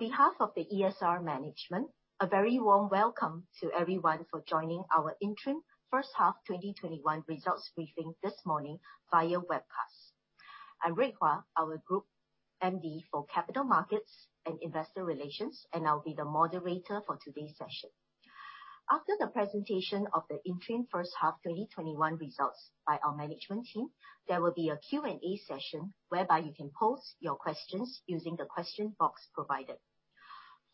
On behalf of the ESR Management, a very warm welcome to everyone for joining our interim first half 2021 results briefing this morning via webcast. I'm Rui Hua, our Group MD for Capital Markets and Investor Relations, and I'll be the moderator for today's session. After the presentation of the interim first half 2021 results by our management team, there will be a Q&A session whereby you can pose your questions using the question box provided.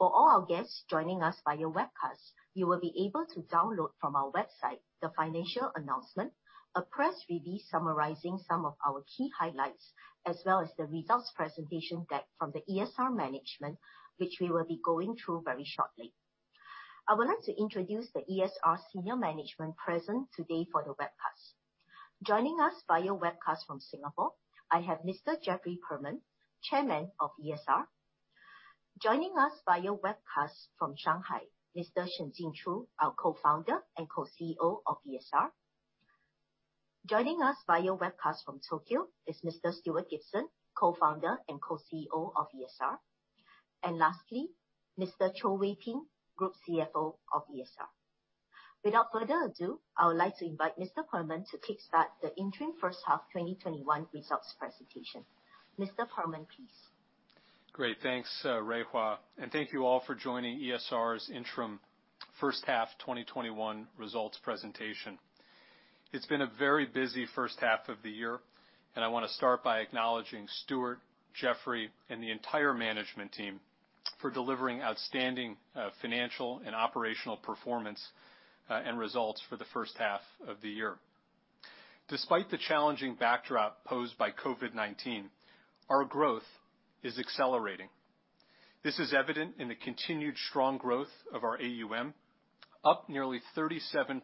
For all our guests joining us via webcast, you will be able to download from our website the financial announcement, a press release summarizing some of our key highlights, as well as the results presentation deck from the ESR Management, which we will be going through very shortly. I would like to introduce the ESR senior management present today for the webcast. Joining us via webcast from Singapore, I have Mr. Jeffrey Perlman, Chairman of ESR. Joining us via webcast from Shanghai, Mr. Jeffrey Shen, our Co-founder and Co-CEO of ESR. Joining us via webcast from Tokyo is Mr. Stuart Gibson, Co-founder and Co-CEO of ESR. Lastly, Mr. Cho Wee Peng, Group CFO of ESR. Without further ado, I would like to invite Mr. Perlman to kickstart the interim first half 2021 results presentation. Mr. Perlman, please. Great. Thanks, Rui Hua, and thank you all for joining ESR's interim first half 2021 results presentation. It's been a very busy first half of the year, and I want to start by acknowledging Stuart, Jeffrey, and the entire management team for delivering outstanding financial and operational performance, and results for the first half of the year. Despite the challenging backdrop posed by COVID-19, our growth is accelerating. This is evident in the continued strong growth of our AUM, up nearly 37%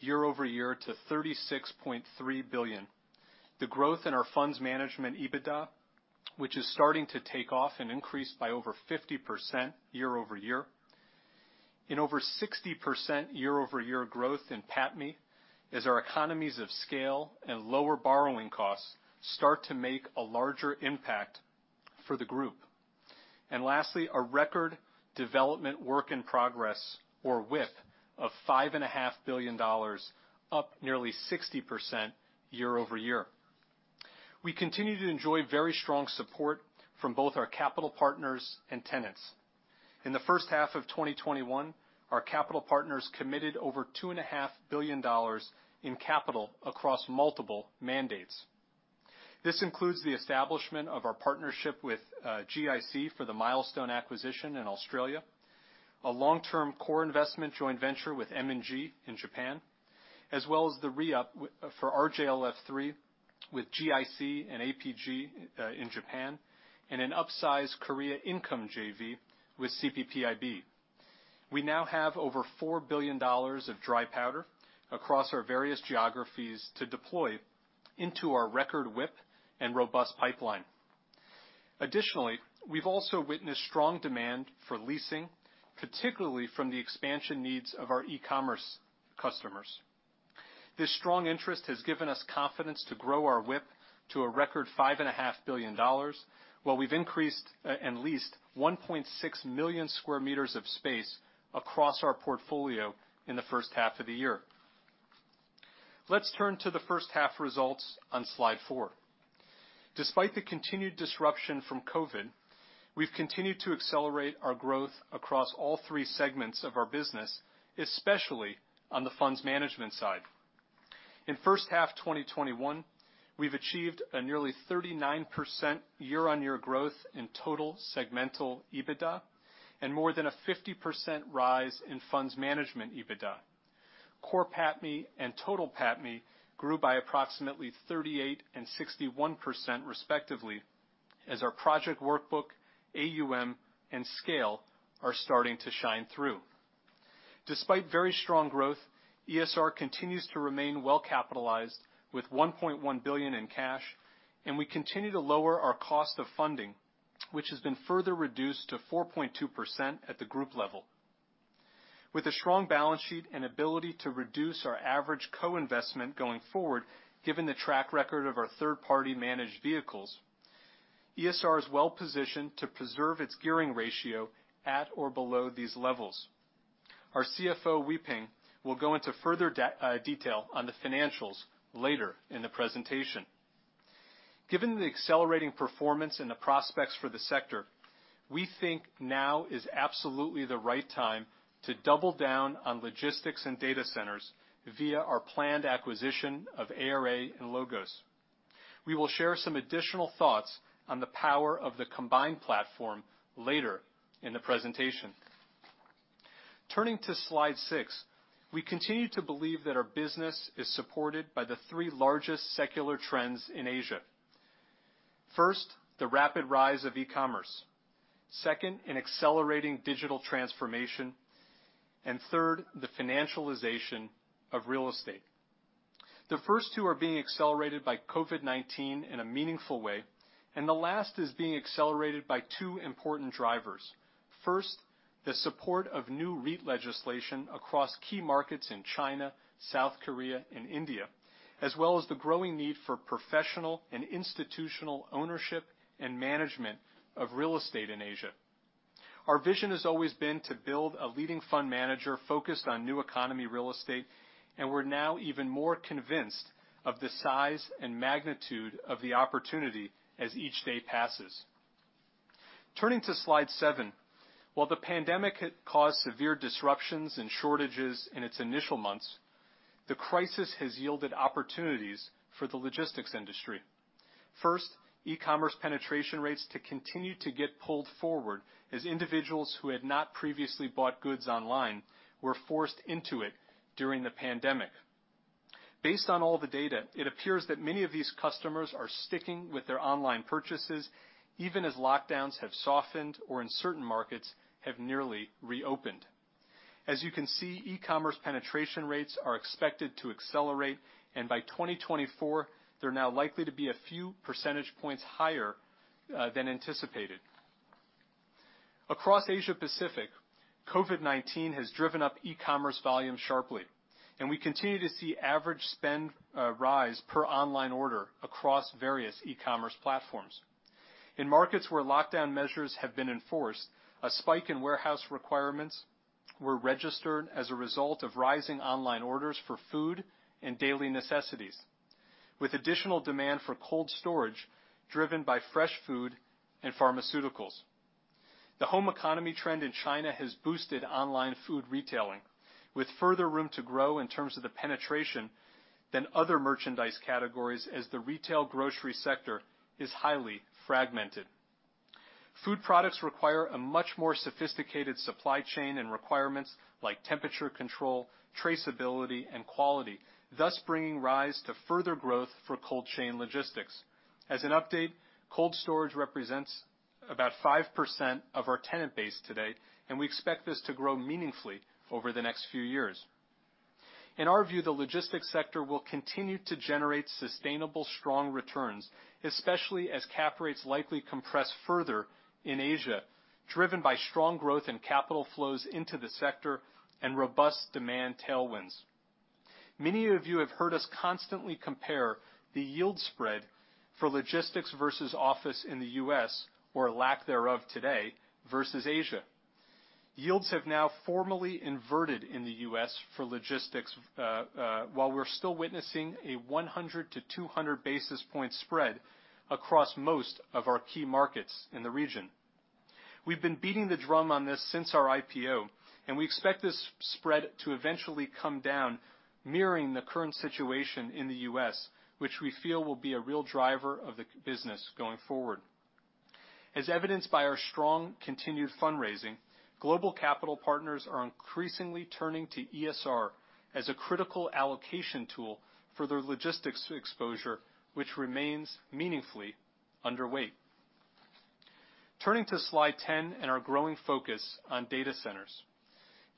year-over-year to $36.3 billion, the growth in our funds management EBITDA, which is starting to take off and increase by over 50% year-over-year, and over 60% year-over-year growth in PATMI as our economies of scale and lower borrowing costs start to make a larger impact for the Group. Lastly, our record development work in progress, or WIP, of $5.5 billion, up nearly 60% year-over-year. We continue to enjoy very strong support from both our capital partners and tenants. In the first half of 2021, our capital partners committed over $2.5 billion in capital across multiple mandates. This includes the establishment of our partnership with GIC for the Milestone acquisition in Australia, a long-term core investment joint venture with M&G in Japan, as well as the reup for RJLF3 with GIC and APG in Japan, and an upsize Korea income JV with CPPIB. We now have over $4 billion of dry powder across our various geographies to deploy into our record WIP and robust pipeline. Additionally, we've also witnessed strong demand for leasing, particularly from the expansion needs of our e-commerce customers. This strong interest has given us confidence to grow our WIP to a record $5.5 billion, while we've increased and leased 1.6 million sq m of space across our portfolio in the first half of the year. Let's turn to the first half results on slide four. Despite the continued disruption from COVID-19, we've continued to accelerate our growth across all three segments of our business, especially on the funds management side. In first half 2021, we've achieved a nearly 39% year-over-year growth in total segmental EBITDA, and more than a 50% rise in funds management EBITDA. Core PATMI and total PATMI grew by approximately 38% and 61% respectively, as our project workbook, AUM, and scale are starting to shine through. Despite very strong growth, ESR continues to remain well-capitalized with $1.1 billion in cash, and we continue to lower our cost of funding, which has been further reduced to 4.2% at the group level. With a strong balance sheet and ability to reduce our average co-investment going forward, given the track record of our third-party managed vehicles, ESR is well positioned to preserve its gearing ratio at or below these levels. Our CFO, Wee Peng, will go into further detail on the financials later in the presentation. Given the accelerating performance and the prospects for the sector, we think now is absolutely the right time to double down on logistics and data centers via our planned acquisition of ARA and LOGOS. We will share some additional thoughts on the power of the combined platform later in the presentation. Turning to slide six. We continue to believe that our business is supported by the three largest secular trends in Asia. First, the rapid rise of e-commerce. Second, an accelerating digital transformation. Third, the financialization of real estate. The first two are being accelerated by COVID-19 in a meaningful way, and the last is being accelerated by two important drivers. First, the support of new REIT legislation across key markets in China, South Korea, and India, as well as the growing need for professional and institutional ownership and management of real estate in Asia. Our vision has always been to build a leading fund manager focused on new economy real estate, and we're now even more convinced of the size and magnitude of the opportunity as each day passes. Turning to slide seven. While the pandemic had caused severe disruptions and shortages in its initial months, the crisis has yielded opportunities for the logistics industry. First, e-commerce penetration rates to continue to get pulled forward as individuals who had not previously bought goods online were forced into it during the pandemic. Based on all the data, it appears that many of these customers are sticking with their online purchases, even as lockdowns have softened, or in certain markets, have nearly reopened. As you can see, e-commerce penetration rates are expected to accelerate, and by 2024, they're now likely to be a few percentage points higher than anticipated. Across Asia Pacific, COVID-19 has driven up e-commerce volume sharply, and we continue to see average spend rise per online order across various e-commerce platforms. In markets where lockdown measures have been enforced, a spike in warehouse requirements were registered as a result of rising online orders for food and daily necessities, with additional demand for cold storage driven by fresh food and pharmaceuticals. The home economy trend in China has boosted online food retailing, with further room to grow in terms of the penetration than other merchandise categories as the retail grocery sector is highly fragmented. Food products require a much more sophisticated supply chain and requirements like temperature control, traceability, and quality, thus bringing rise to further growth for cold chain logistics. As an update, cold storage represents about 5% of our tenant base today, and we expect this to grow meaningfully over the next few years. In our view, the logistics sector will continue to generate sustainable, strong returns, especially as cap rates likely compress further in Asia, driven by strong growth in capital flows into the sector and robust demand tailwinds. Many of you have heard us constantly compare the yield spread for logistics versus office in the U.S., or lack thereof today, versus Asia. Yields have now formally inverted in the U.S. for logistics, while we're still witnessing a 100 to 200 basis point spread across most of our key markets in the region. We've been beating the drum on this since our IPO, and we expect this spread to eventually come down, mirroring the current situation in the U.S., which we feel will be a real driver of the business going forward. As evidenced by our strong continued fundraising, global capital partners are increasingly turning to ESR as a critical allocation tool for their logistics exposure, which remains meaningfully underweight. Turning to slide 10 and our growing focus on data centers.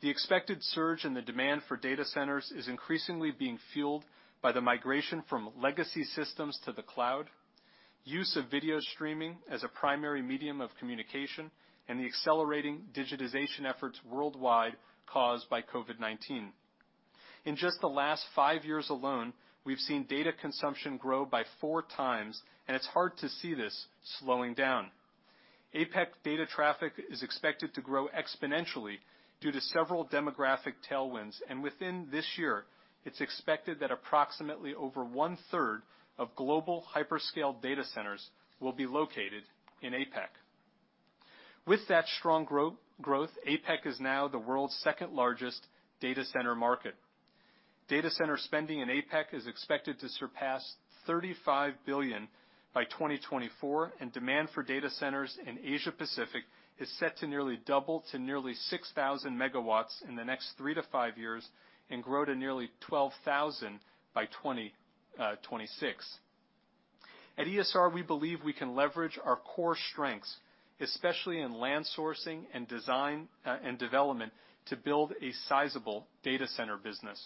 The expected surge in the demand for data centers is increasingly being fueled by the migration from legacy systems to the cloud, use of video streaming as a primary medium of communication, and the accelerating digitization efforts worldwide caused by COVID-19. In just the last five years alone, we've seen data consumption grow by 4x it's hard to see this slowing down. APAC data traffic is expected to grow exponentially due to several demographic tailwinds. Within this year, it's expected that approximately over 1/3 of global hyperscale data centers will be located in APAC. With that strong growth, APAC is now the world's second-largest data center market. Data center spending in APAC is expected to surpass $35 billion by 2024. Demand for data centers in Asia Pacific is set to nearly double to nearly 6,000 MW in the next three to five years and grow to nearly 12,000 by 2026. At ESR, we believe we can leverage our core strengths, especially in land sourcing and design and development, to build a sizable data center business.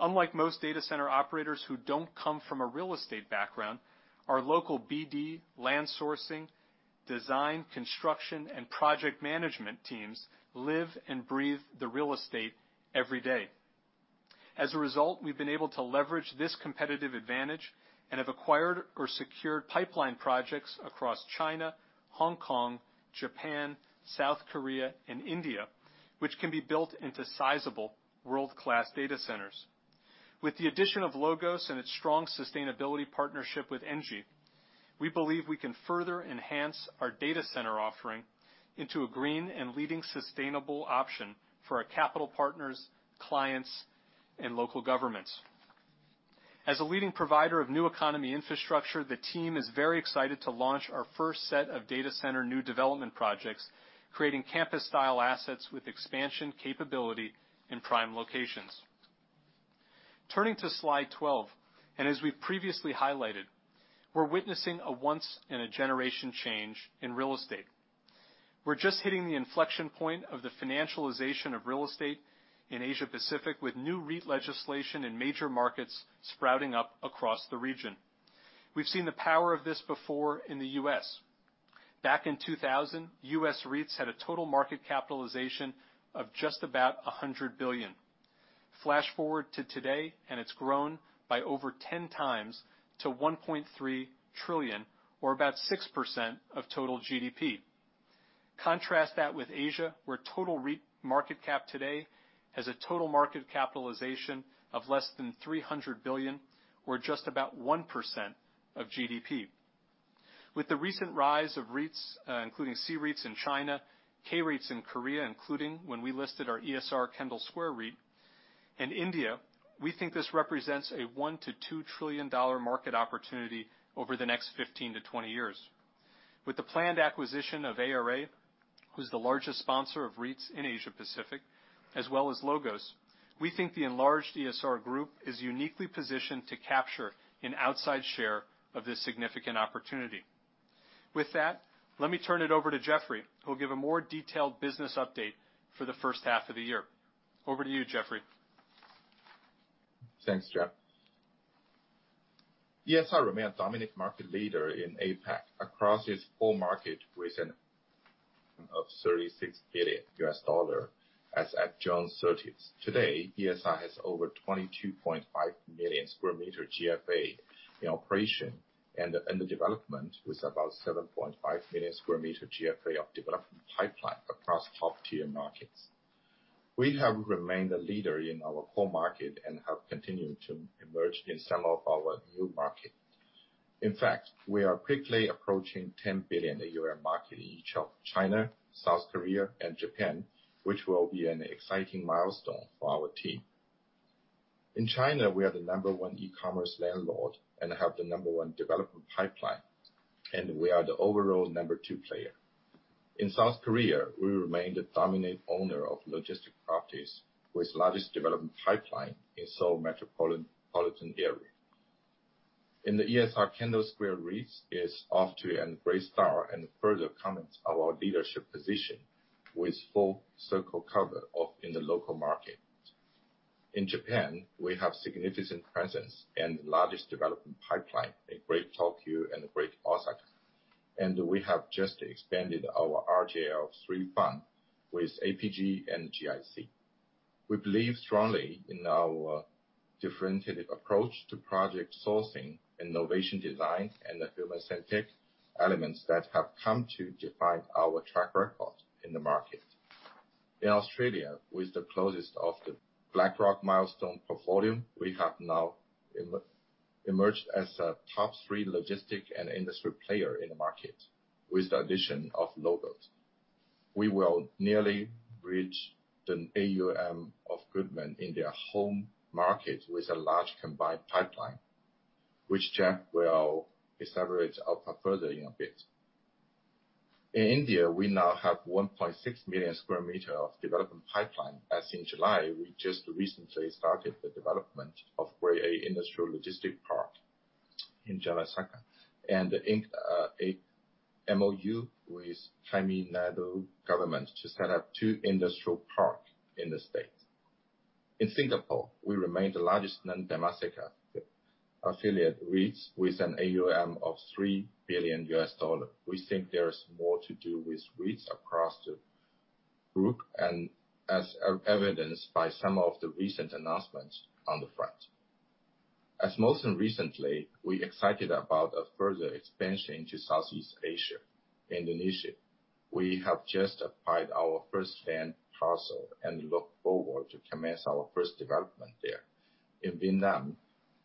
Unlike most data center operators who don't come from a real estate background, our local BD, land sourcing, design, construction, and project management teams live and breathe the real estate every day. As a result, we've been able to leverage this competitive advantage and have acquired or secured pipeline projects across China, Hong Kong, Japan, South Korea, and India, which can be built into sizable world-class data centers. With the addition of LOGOS and its strong sustainability partnership with ENGIE, we believe we can further enhance our data center offering into a green and leading sustainable option for our capital partners, clients, and local governments. As a leading provider of new economy infrastructure, the team is very excited to launch our first set of data center new development projects, creating campus-style assets with expansion capability in prime locations. Turning to slide 12, and as we've previously highlighted, we're witnessing a once-in-a-generation change in real estate. We're just hitting the inflection point of the financialization of real estate in Asia Pacific, with new REIT legislation in major markets sprouting up across the region. We've seen the power of this before in the U.S. Back in 2000, U.S. REITs had a total market capitalization of just about $100 billion. Flash forward to today, it's grown by over 10x to $1.3 trillion, or about 6% of total GDP. Contrast that with Asia, where total REIT market cap today has a total market capitalization of less than $300 billion, or just about 1% of GDP. With the recent rise of REITs, including C-REITs in China, K-REITs in Korea, including when we listed our ESR Kendall Square REIT, and India, we think this represents a $1-2 trillion market opportunity over the next 15 to 20 years. With the planned acquisition of ARA, who's the largest sponsor of REITs in Asia Pacific, as well as LOGOS, we think the enlarged ESR Group is uniquely positioned to capture an outsized share of this significant opportunity. With that, let me turn it over to Jeffrey, who'll give a more detailed business update for the first half of the year. Over to you, Jeffrey. Thanks, Jeff. ESR remained dominant market leader in APAC across its core market, with an AUM of $36 billion as at June 30th. Today, ESR has over 22.5 million sq m GFA in operation and in the development, with about 7.5 million sq m GFA of development pipeline across top tier markets. We have remained a leader in our core market and have continued to emerge in some of our new market. In fact, we are quickly approaching 10 billion market in each of China, South Korea, and Japan, which will be an exciting milestone for our team. In China, we are the number one e-commerce landlord and have the number one development pipeline, we are the overall number two player. In South Korea, we remain the dominant owner of logistic properties, with largest development pipeline in Seoul metropolitan area. In the ESR Kendall Square REITs is off to a great start and further cement our leadership position with full circle cover in the local market. In Japan, we have significant presence and the largest development pipeline in Greater Tokyo and Greater Osaka, and we have just expanded our RJLF3 fund with APG and GIC. We believe strongly in our differentiated approach to project sourcing, innovation design, and the human-centric elements that have come to define our track record in the market. In Australia, with the close of the Blackstone Milestone portfolio, we have now emerged as a top three logistics and industrial player in the market with the addition of LOGOS. We will nearly reach the AUM of Goodman in their home market with a large combined pipeline, which Jeff will elaborate upon further in a bit. In India, we now have 1.6 million sq m of development pipeline. As in July, we just recently started the development of Grade A industrial logistic park in Chhattisgarh, and inked a MoU with Tamil Nadu government to set up two industrial park in the state. In Singapore, we remain the largest non-Temasek affiliate REITs with an AUM of $3 billion. We think there is more to do with REITs across the group. As evidenced by some of the recent announcements on the front. As most recently, we excited about a further expansion into Southeast Asia. In Indonesia, we have just applied our first land parcel and look forward to commence our first development there. In Vietnam,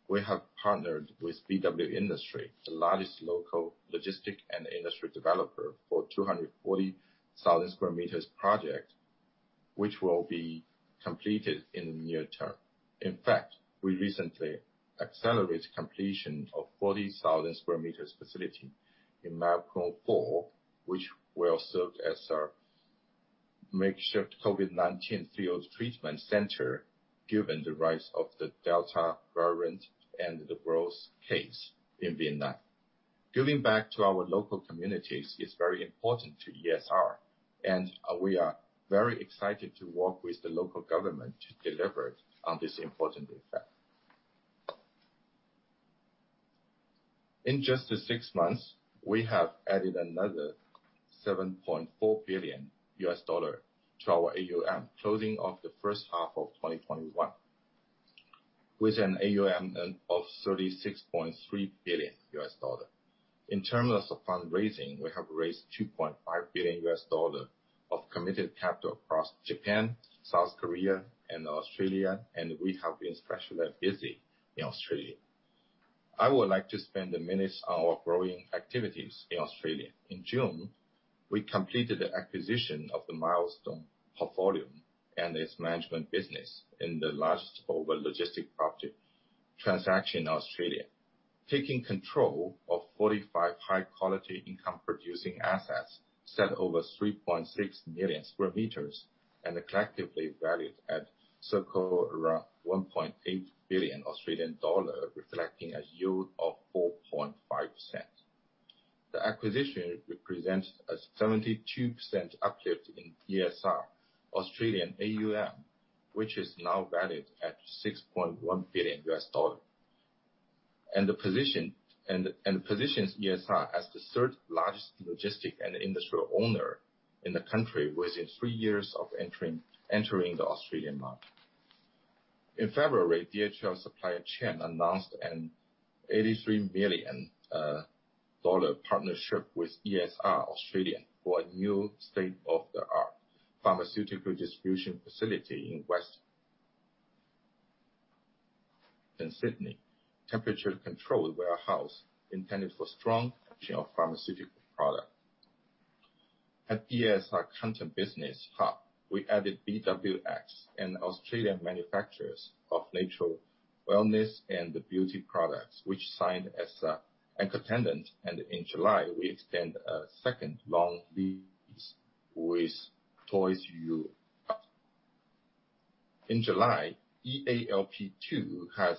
we have partnered with BW Industrial, the largest local logistic and industry developer for 240,000 sq m project, which will be completed in the near term. In fact, we recently accelerated completion of 40,000 sq m facility in My Phuoc IV, which will serve as our makeshift COVID-19 field treatment center given the rise of the Delta variant and the growth case in Vietnam. Giving back to our local communities is very important to ESR. We are very excited to work with the local government to deliver on this important effort. In just the six months, we have added another $7.4 billion to our AUM, closing off the first half of 2021 with an AUM of $36.3 billion. In terms of fundraising, we have raised $2.5 billion of committed capital across Japan, South Korea, and Australia. We have been especially busy in Australia. I would like to spend a minute on our growing activities in Australia. In June, we completed the acquisition of the Milestone portfolio and its management business in the largest logistics property transaction in Australia. Taking control of 45 high-quality income producing assets set over 3.6 million sq m, and collectively valued at circa 1.8 billion Australian dollar, reflecting a yield of 4.5%. The acquisition represents a 72% uplift in ESR Australia AUM, which is now valued at $6.1 billion. Positions ESR as the third largest logistics and industrial owner in the country within three years of entering the Australian market. In February, DHL Supply Chain announced an $83 million partnership with ESR Australia for a new state-of-the-art pharmaceutical distribution facility in Western Sydney. Temperature-controlled warehouse intended for strong pharmaceutical product. At ESR Canberra Business Hub, we added BWX, an Australian manufacturer of natural wellness and beauty products, which signed as an anchor tenant. In July, we extended a second long lease with Toys. In July, EALP II has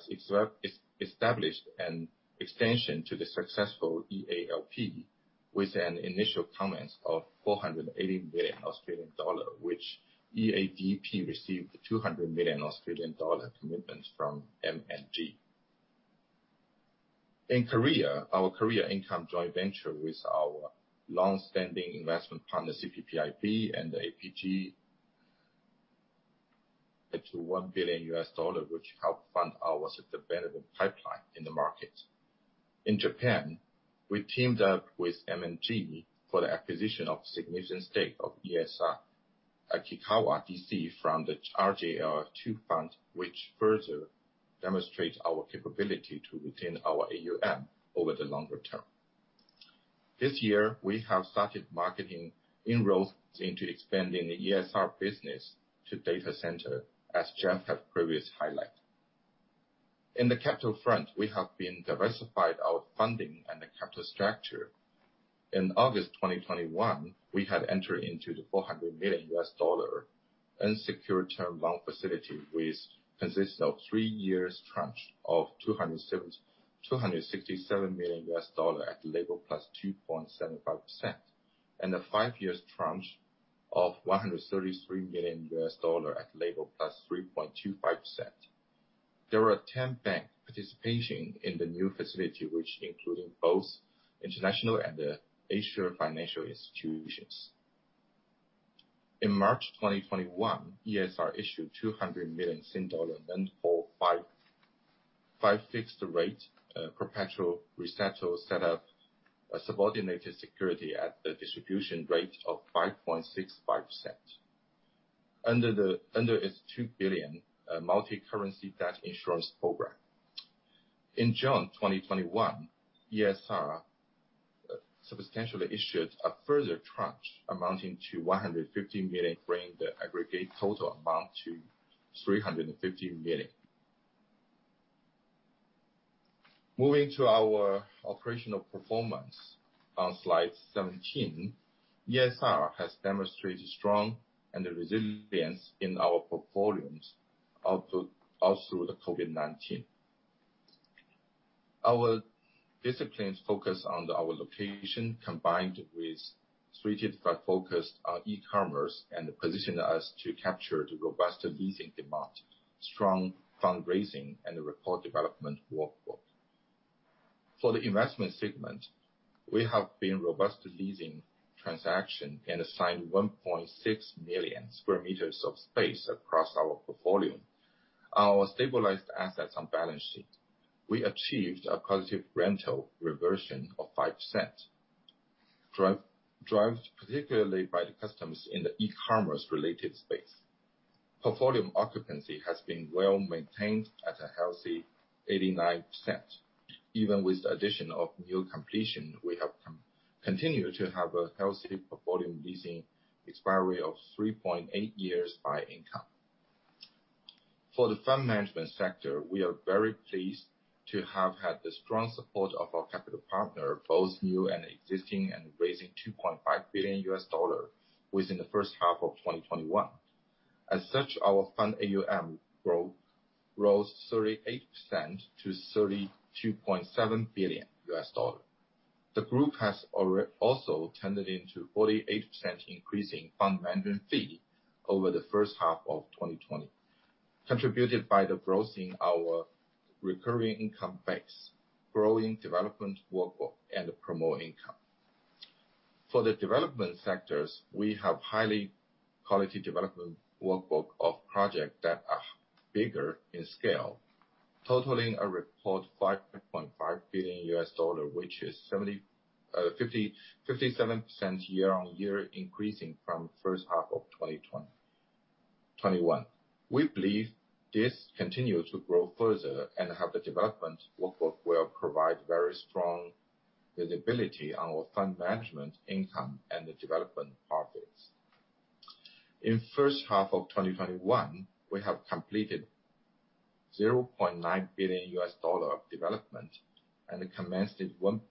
established an extension to the successful EALP with an initial commitment of 480 million Australian dollar, which EADP received 200 million Australian dollar commitments from M&G. In Korea, our Korean income joint venture with our long-standing investment partner, CPPIB and APG to $1 billion, which helps fund our development pipeline in the market. In Japan, we teamed up with M&G for the acquisition of significant stake in ESR Ichikawa DC from the RJLF2 fund, which further demonstrates our capability to retain our AUM over the longer term. This year, we have started marketing inroads into expanding the ESR business to data centers, as Jeff has previously highlighted. In the capital front, we have been diversified our funding and the capital structure. In August 2021, we had entered into the $400 million unsecured term loan facility with consist of three years tranche of $267 million at LIBOR +2.75%, and a five years tranche of $133 million at LIBOR +3.25%. There were 10 bank participating in the new facility, which including both international and Asia financial institutions. In March 2021, ESR issued SGD 200 millionnon-call five fixed rate perpetual resettable step-up subordinated security at the distribution rate of 5.65%. Under its $2 billion multi-currency debt issuance program. In June 2021, ESR substantially issued a further tranche amounting to 150 million, bringing the aggregate total amount to 350 million. Moving to our operational performance on slide 17. ESR has demonstrated strong and resilience in our portfolios all through the COVID-19. Our disciplines focus on our location, combined with strategic focus on e-commerce, and position us to capture the robust leasing demand, strong fundraising, and the record development workload. For the investment segment, we have been robust leasing transaction and assigned 1.6 million sq m of space across our portfolio. Our stabilized assets on balance sheet, we achieved a positive rental reversion of 5%, driven particularly by the customers in the e-commerce related space. Portfolio occupancy has been well-maintained at a healthy 89%. Even with the addition of new completion, we have continued to have a healthy portfolio leasing expiry of 3.8 years by income. For the fund management sector, we are very pleased to have had the strong support of our capital partner, both new and existing, and raising $2.5 billion within the first half of 2021. Our fund AUM rose 38% to $32.7 billion. The group has also turned in a 48% increase in fund management fee over the first half of 2020, contributed by the growth in our recurring income base, growing development workload, and promote income. For the development sectors, we have high quality development workbook of projects that are bigger in scale, totaling a record $5.5 billion, which is 57% year-on-year increasing from first half of 2021. We believe this continue to grow further and have the development workbook will provide very strong visibility on our fund management income and the development profits. In first half of 2021, we have completed $0.9 billion of development and commenced $1.2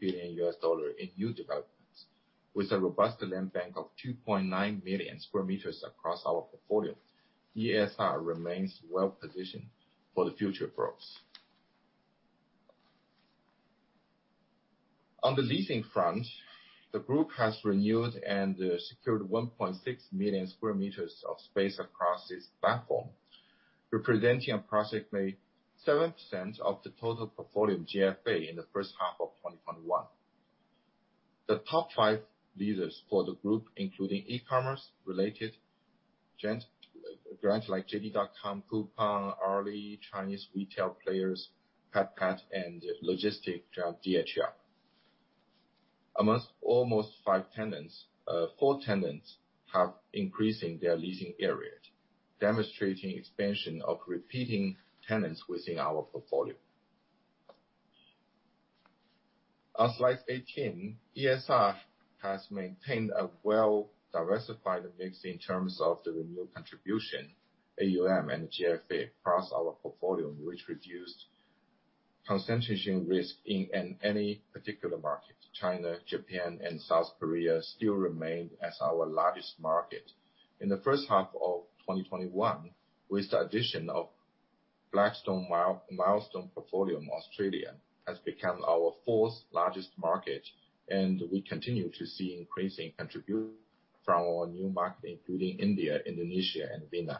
billion in new development. With a robust land bank of 2.9 million sq m across our portfolio, ESR remains well positioned for the future growth. On the leasing front, the group has renewed and secured 1.6 million sq m of space across its platform, representing approximately 7% of the total portfolio GFA in the first half of 2021. The top 5 leases for the group, including e-commerce related giants like JD.com, Coupang, Ali, Chinese retail players, CatCat, and logistic giant DHL. Almost five tenants, four tenants have increasing their leasing areas, demonstrating expansion of repeating tenants within our portfolio. On slide 18, ESR has maintained a well-diversified mix in terms of the renewal contribution, AUM, and GFA across our portfolio, which reduced concentration risk in any particular market. China, Japan, and South Korea still remain as our largest market. In the first half of 2021, with the addition of Blackstone Milestone portfolio in Australia, has become our fourth largest market, and we continue to see increasing contribution from our new market, including India, Indonesia, and Vietnam.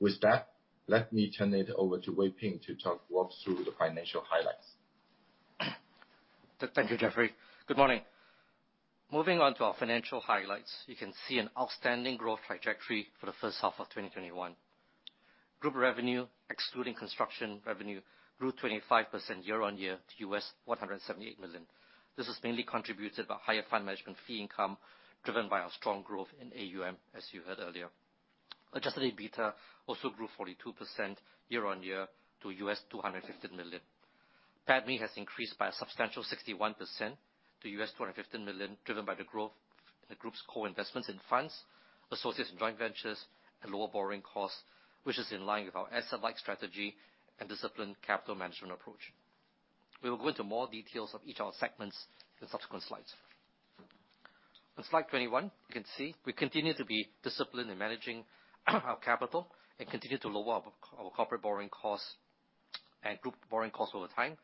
With that, let me turn it over to Wee Peng to walk through the financial highlights. Thank you, Jeffrey. Good morning. Moving on to our financial highlights. You can see an outstanding growth trajectory for the first half of 2021. Group revenue, excluding construction revenue, grew 25% year-on-year to $178 million. This was mainly contributed by higher fund management fee income driven by our strong growth in AUM, as you heard earlier. Adjusted EBITDA also grew 42% year-on-year to $250 million. PATMI has increased by a substantial 61% to $215 million, driven by the growth in the group's co-investments in funds, associates and joint ventures, and lower borrowing costs, which is in line with our asset-light strategy and disciplined capital management approach. We will go into more details of each of our segments in subsequent slides. On slide 21, you can see we continue to be disciplined in managing our capital and continue to lower our corporate borrowing costs and group borrowing costs over time.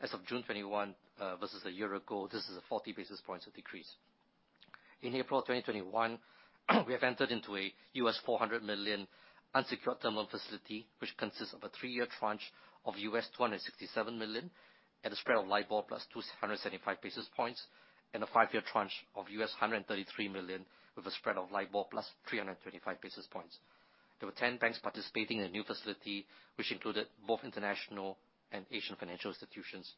As of June 2021 versus a year ago, this is a 40 basis points of decrease. In April 2021, we have entered into a $400 million unsecured term loan facility, which consists of a three-year tranche of $267 million at a spread of LIBOR plus 275 basis points and a five-year tranche of $133 million with a spread of LIBOR plus 325 basis points. There were 10 banks participating in the new facility, which included both international and Asian financial institutions.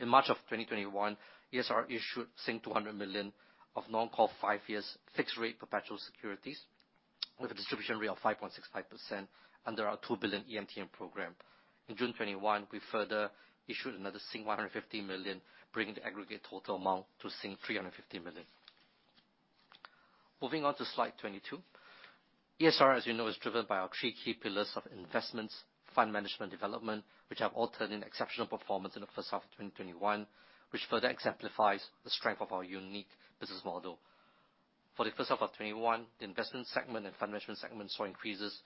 In March 2021, ESR issued 200 million of non-call five years fixed rate perpetual securities with a distribution rate of 5.65% under our 2 billion EMTN program. In June 2021, we further issued another 150 million, bringing the aggregate total amount to 350 million. Moving on to Slide 22. ESR, as you know, is driven by our three key pillars of investments, fund management, development, which have all turned in exceptional performance in the first half of 2021, which further exemplifies the strength of our unique business model. For the first half of 2021, the investment segment and fund management segment saw increases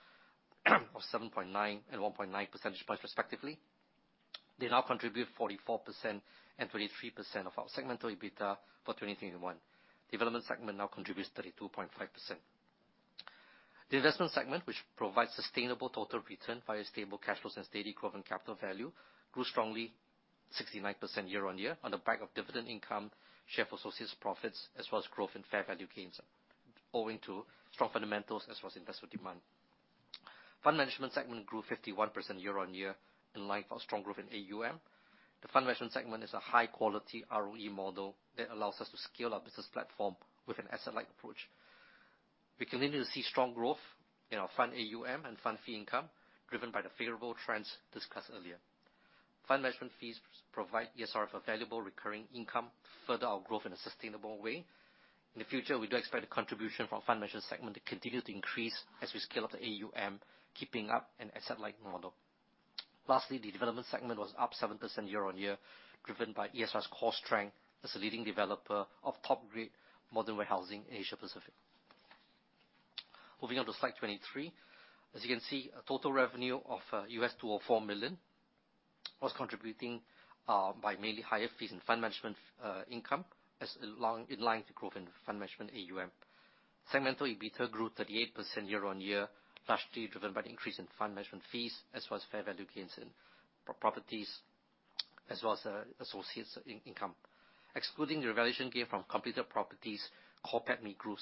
of 7.9 and 1.9 percentage points respectively. They now contribute 44% and 23% of our segmental EBITDA for 2021. Development segment now contributes 32.5%. The investment segment, which provides sustainable total return via stable cash flows and steady growth in capital value, grew strongly 69% year-on-year on the back of dividend income, share of associates profits, as well as growth in fair value gains, owing to strong fundamentals as well as investor demand. Fund management segment grew 51% year-on-year in light of our strong growth in AUM. The fund management segment is a high-quality ROE model that allows us to scale our business platform with an asset-light approach. We continue to see strong growth in our fund AUM and fund fee income, driven by the favorable trends discussed earlier. Fund management fees provide ESR a valuable recurring income to further our growth in a sustainable way. In the future, we do expect the contribution from fund management segment to continue to increase as we scale up the AUM, keeping up an asset-light model. Lastly, the development segment was up 7% year-on-year, driven by ESR's core strength as a leading developer of top-grade modern warehousing in Asia Pacific. Moving on to Slide 23. As you can see, a total revenue of $204 million was contributed by mainly higher fees and fund management income as in line with the growth in fund management AUM. Segment EBITDA grew 38% year-on-year, largely driven by the increase in fund management fees as well as fair value gains in properties, as well as associates income. Excluding the revaluation gain from completed properties, core PATMI grew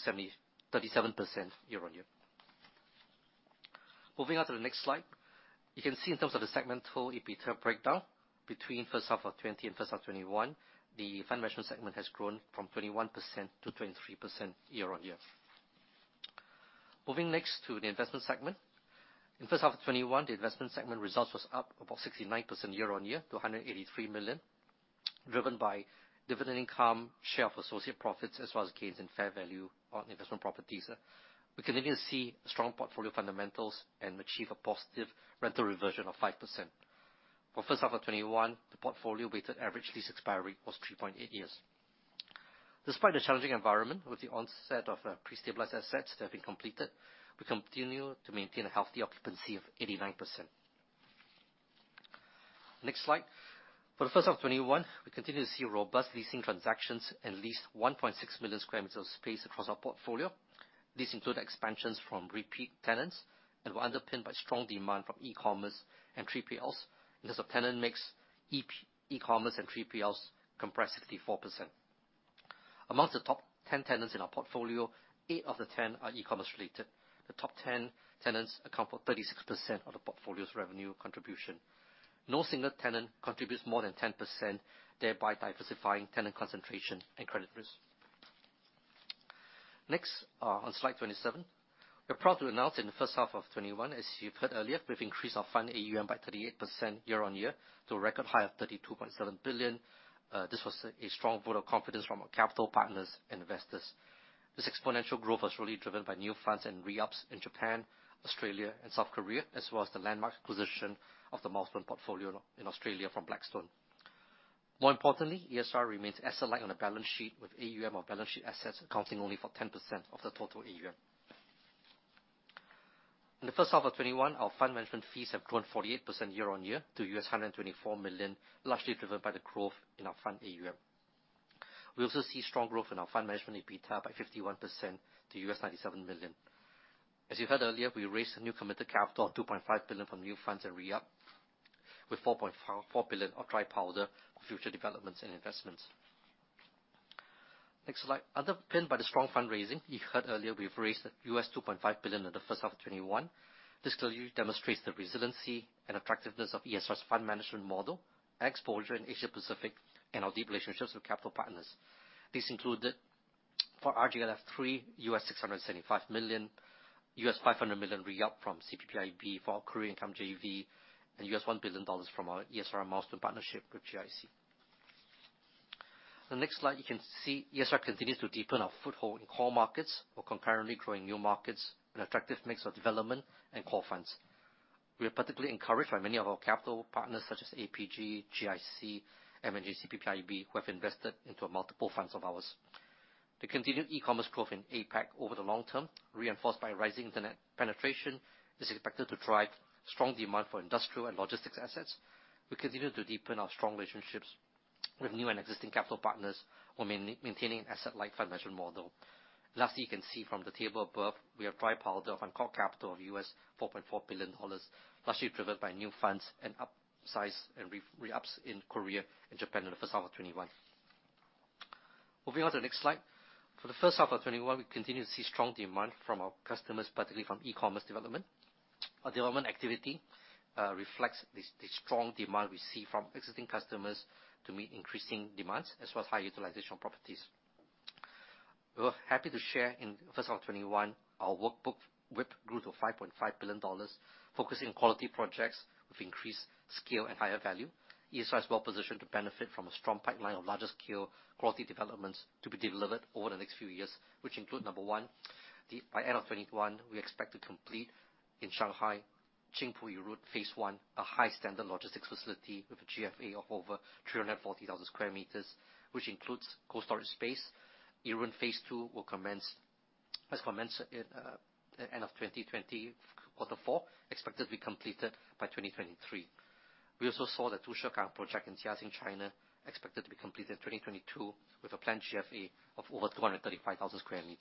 37% year-on-year. Moving on to the next slide. You can see in terms of the segmental EBITDA breakdown between first half of 2020 and first half of 2021, the fund management segment has grown from 21% to 23% year-on-year. Moving next to the investment segment. In first half of 2021, the investment segment results was up about 69% year-on-year to $183 million, driven by dividend income, share of associate profits, as well as gains in fair value on investment properties. We continue to see strong portfolio fundamentals and achieve a positive rental reversion of 5%. For first half of 2021, the portfolio weighted average lease expiry was 3.8 years. Despite the challenging environment, with the onset of pre-stabilized assets that have been completed, we continue to maintain a healthy occupancy of 89%. Next slide. For the first half of 2021, we continue to see robust leasing transactions and leased 1.6 million sq m of space across our portfolio. These include expansions from repeat tenants and were underpinned by strong demand from e-commerce and 3PLs, and as a tenant mix, e-commerce and 3PLs comprise 64%. Amongst the top 10 tenants in our portfolio, eight of the 10 are e-commerce related. The top 10 tenants account for 36% of the portfolio's revenue contribution. No single tenant contributes more than 10%, thereby diversifying tenant concentration and credit risk. Next, on slide 27. We're proud to announce in the first half of 2021, as you've heard earlier, we've increased our fund AUM by 38% year-on-year to a record high of $32.7 billion. This was a strong vote of confidence from our capital partners and investors. This exponential growth was really driven by new funds and re-ups in Japan, Australia, and South Korea, as well as the landmark acquisition of the Milestone portfolio in Australia from Blackstone. More importantly, ESR remains asset-light on the balance sheet with AUM of balance sheet assets accounting only for 10% of the total AUM. In the first half of 2021, our fund management fees have grown 48% year-on-year to $124 million, largely driven by the growth in our fund AUM. We also see strong growth in our fund management EBITDA by 51% to $97 million. As you heard earlier, we raised a new committed capital of $2.5 billion from new funds and re-up, with $4.4 billion of dry powder for future developments and investments. Next slide. Underpinned by the strong fundraising you heard earlier, we've raised $2.5 billion in the first half of 2021. This clearly demonstrates the resiliency and attractiveness of ESR's fund management model, our exposure in Asia Pacific, and our deep relationships with capital partners. This included for RJLF3, $675 million, $500 million re-up from CPPIB for our Korean income JV, and $1 billion from our ESR Milestone partnership with GIC. The next slide you can see ESR continues to deepen our foothold in core markets while concurrently growing new markets with an attractive mix of development and core funds. We are particularly encouraged by many of our capital partners such as APG, GIC, M&G CPPIB, who have invested into multiple funds of ours. The continued e-commerce growth in APAC over the long term, reinforced by rising internet penetration, is expected to drive strong demand for industrial and logistics assets. We continue to deepen our strong relationships with new and existing capital partners while maintaining an asset-light fund management model. Lastly, you can see from the table above, we have dry powder of uncalled capital of US $4.4 billion, largely driven by new funds and upsize and re-ups in Korea and Japan in the first half of 2021. Moving on to the next slide. For the first half of 2021, we continue to see strong demand from our customers, particularly from e-commerce development. Our development activity reflects the strong demand we see from existing customers to meet increasing demands as well as high utilization properties. We're happy to share in first half of 2021, our workbook WIP grew to $5.5 billion, focusing on quality projects with increased scale and higher value. ESR is well positioned to benefit from a strong pipeline of larger scale quality developments to be delivered over the next few years, which include, number one, by end of 2021, we expect to complete in Shanghai, Qingpu Yurun Phase I, a high-standard logistics facility with a GFA of over 340,000 sq m, which includes cold storage space. Yurun Phase II has commenced at the end of 2020, quarter four, expected to be completed by 2023. We also saw the Dushangang project in Jiaxing, China expected to be completed in 2022 with a planned GFA of over 235,000 sq m.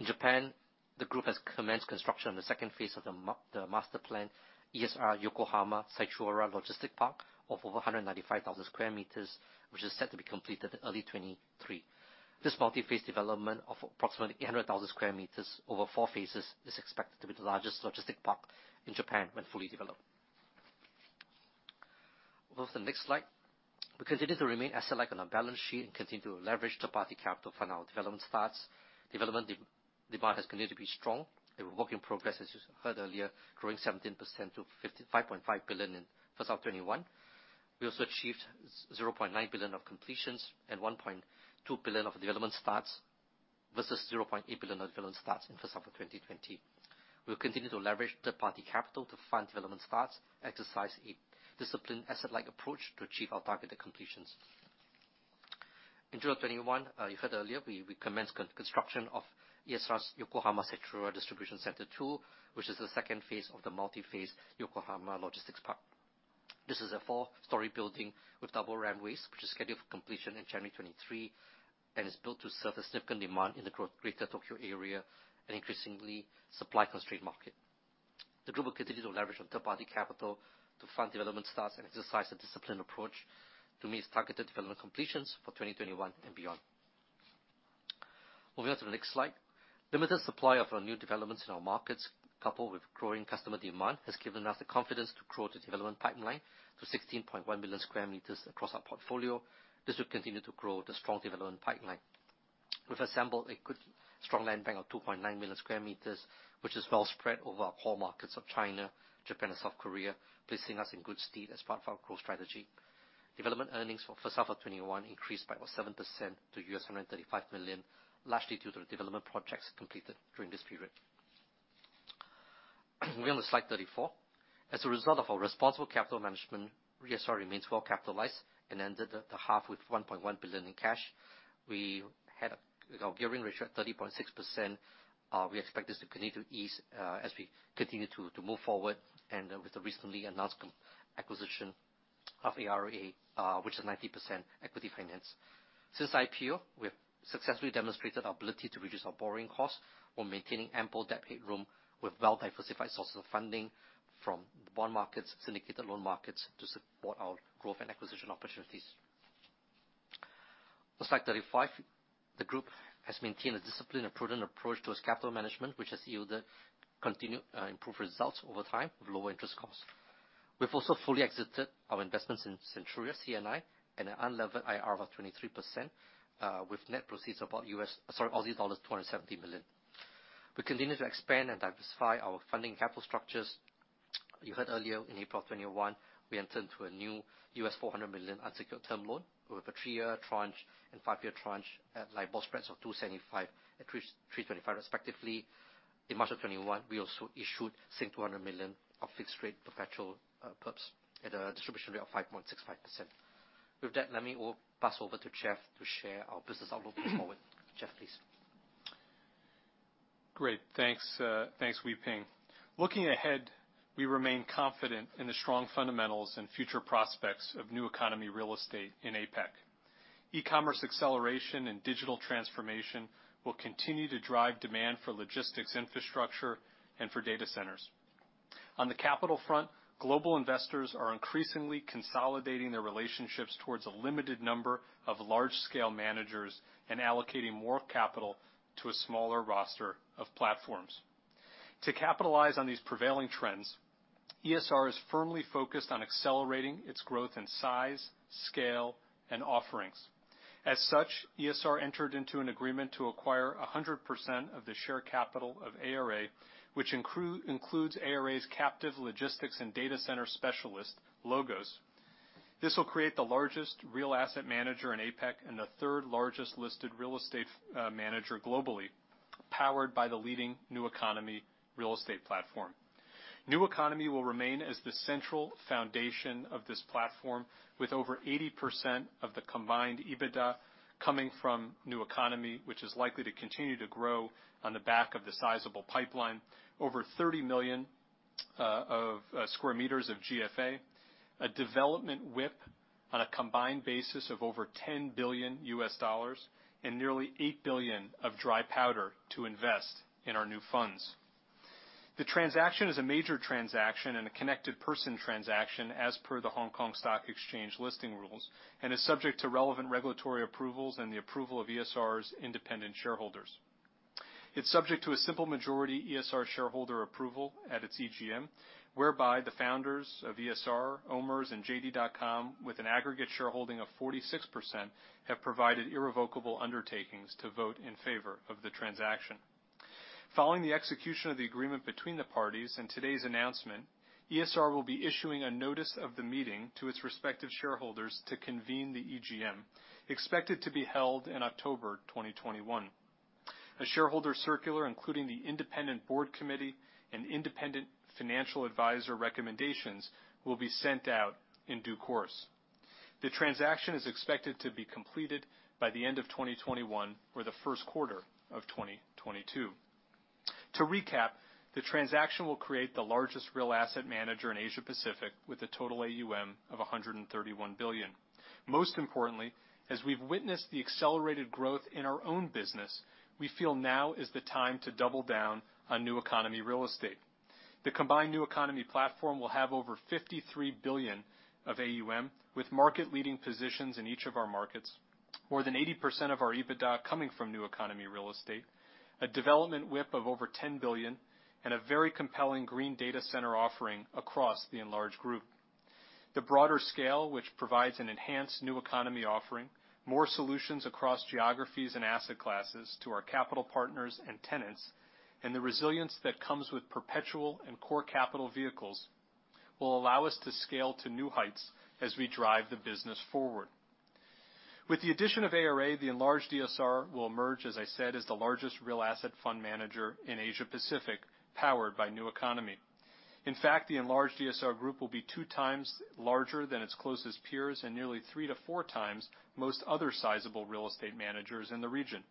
In Japan, the group has commenced construction on the second phase of the master plan, ESR Yokohama Sachiura Logistics Park of over 195,000 square meters, which is set to be completed in early 2023. This multi-phase development of approximately 800,000 square meters over four phases is expected to be the largest logistics park in Japan when fully developed. Move to the next slide. We continue to remain asset-light on our balance sheet and continue to leverage third-party capital for our development starts. Development demand has continued to be strong. Work in progress, as you heard earlier, growing 17% to $5.5 billion in first half 2021. We also achieved $0.9 billion of completions and $1.2 billion of development starts versus $0.8 billion of development starts in first half of 2020. We'll continue to leverage third-party capital to fund development starts, exercise a disciplined asset-light approach to achieve our targeted completions. In June 2021, you heard earlier, we commenced construction of ESR Yokohama Sachiura Distribution Center two, which is the second phase of the multi-phase ESR Yokohama Sachiura Logistics Park. This is a four-story building with double runways, which is scheduled for completion in January 2023 and is built to serve the significant demand in the Greater Tokyo area, an increasingly supply-constrained market. The group will continue to leverage on third-party capital to fund development starts and exercise a disciplined approach to meet its targeted development completions for 2021 and beyond. Moving on to the next slide. Limited supply of our new developments in our markets, coupled with growing customer demand, has given us the confidence to grow the development pipeline to 16.1 million sq m across our portfolio. This will continue to grow the strong development pipeline. We've assembled a good strong land bank of 2.9 million sq m, which is well spread over our core markets of China, Japan, and South Korea, placing us in good stead as part of our growth strategy. Development earnings for first half of 2021 increased by 7% to $135 million, largely due to the development projects completed during this period. We're on the slide 34. As a result of our responsible capital management, ESR remains well-capitalized and ended the half with $1.1 billion in cash. We had our gearing ratio at 30.6%. We expect this to continue to ease as we continue to move forward and with the recently announced acquisition of ARA which is 90% equity financed. Since IPO, we have successfully demonstrated our ability to reduce our borrowing costs while maintaining ample debt headroom with well-diversified sources of funding from bond markets, syndicated loan markets to support our growth and acquisition opportunities. On slide 35, the group has maintained a disciplined and prudent approach to its capital management, which has yielded continued improved results over time with lower interest costs. We've also fully exited our investments in Centuria CNI at an unlevered IRR of 23% with net proceeds of Aussie dollars 270 million. We continue to expand and diversify our funding capital structures. You heard earlier in April 2021, we entered into a new $400 million unsecured term loan with a three-year tranche and five-year tranche at LIBOR spreads of 275 at 325 respectively. In March of 2021, we also issued 200 million of fixed-rate perpetual perps at a distribution rate of 5.65%. With that, let me pass over to Jeff to share our business outlook going forward. Jeff, please. Great. Thanks, Wee Peng. Looking ahead, we remain confident in the strong fundamentals and future prospects of New Economy real estate in APAC. E-commerce acceleration and digital transformation will continue to drive demand for logistics infrastructure and for data centers. On the capital front, global investors are increasingly consolidating their relationships towards a limited number of large-scale managers and allocating more capital to a smaller roster of platforms. To capitalize on these prevailing trends, ESR is firmly focused on accelerating its growth in size, scale, and offerings. As such, ESR entered into an agreement to acquire 100% of the share capital of ARA, which includes ARA's captive logistics and data center specialist, LOGOS. This will create the largest real asset manager in APAC and the third largest listed real estate manager globally, powered by the leading New Economy real estate platform. New Economy will remain as the central foundation of this platform with over 80% of the combined EBITDA coming from New Economy, which is likely to continue to grow on the back of the sizable pipeline. Over 30 million sq m of GFA, a development WIP on a combined basis of over $10 billion, and nearly $8 billion of dry powder to invest in our new funds. The transaction is a major transaction and a connected person transaction as per the Hong Kong Stock Exchange listing rules, and is subject to relevant regulatory approvals and the approval of ESR's independent shareholders. It is subject to a simple majority ESR shareholder approval at its EGM, whereby the founders of ESR, OMERS, and JD.com, with an aggregate shareholding of 46%, have provided irrevocable undertakings to vote in favor of the transaction. Following the execution of the agreement between the parties and today's announcement, ESR will be issuing a notice of the meeting to its respective shareholders to convene the EGM, expected to be held in October 2021. A shareholder circular, including the independent board committee and independent financial advisor recommendations, will be sent out in due course. The transaction is expected to be completed by the end of 2021 or the first quarter of 2022. To recap, the transaction will create the largest real asset manager in Asia Pacific with a total AUM of $131 billion. Most importantly, as we've witnessed the accelerated growth in our own business, we feel now is the time to double down on New Economy real estate. The combined New Economy platform will have over $53 billion of AUM, with market-leading positions in each of our markets. More than 80% of our EBITDA coming from New Economy real estate, a development WIP of over $10 billion, and a very compelling green data center offering across the enlarged group. The broader scale, which provides an enhanced New Economy offering, more solutions across geographies and asset classes to our capital partners and tenants, and the resilience that comes with perpetual and core capital vehicles will allow us to scale to new heights as we drive the business forward. With the addition of ARA, the enlarged ESR will emerge, as I said, as the largest real asset fund manager in Asia Pacific, powered by New Economy. In fact, the enlarged ESR Group will be two times larger than its closest peers and nearly three to four times most other sizable real estate managers in the region.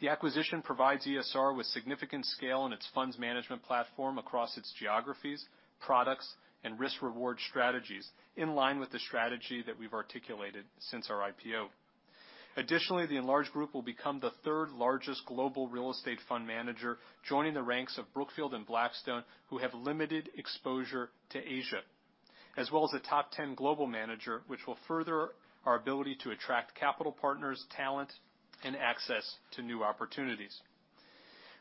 The acquisition provides ESR with significant scale in its funds management platform across its geographies, products, and risk-reward strategies, in line with the strategy that we've articulated since our IPO. Additionally, the enlarged group will become the third largest global real estate fund manager, joining the ranks of Brookfield and Blackstone, who have limited exposure to Asia. As well as a top 10 global manager, which will further our ability to attract capital partners, talent, and access to new opportunities.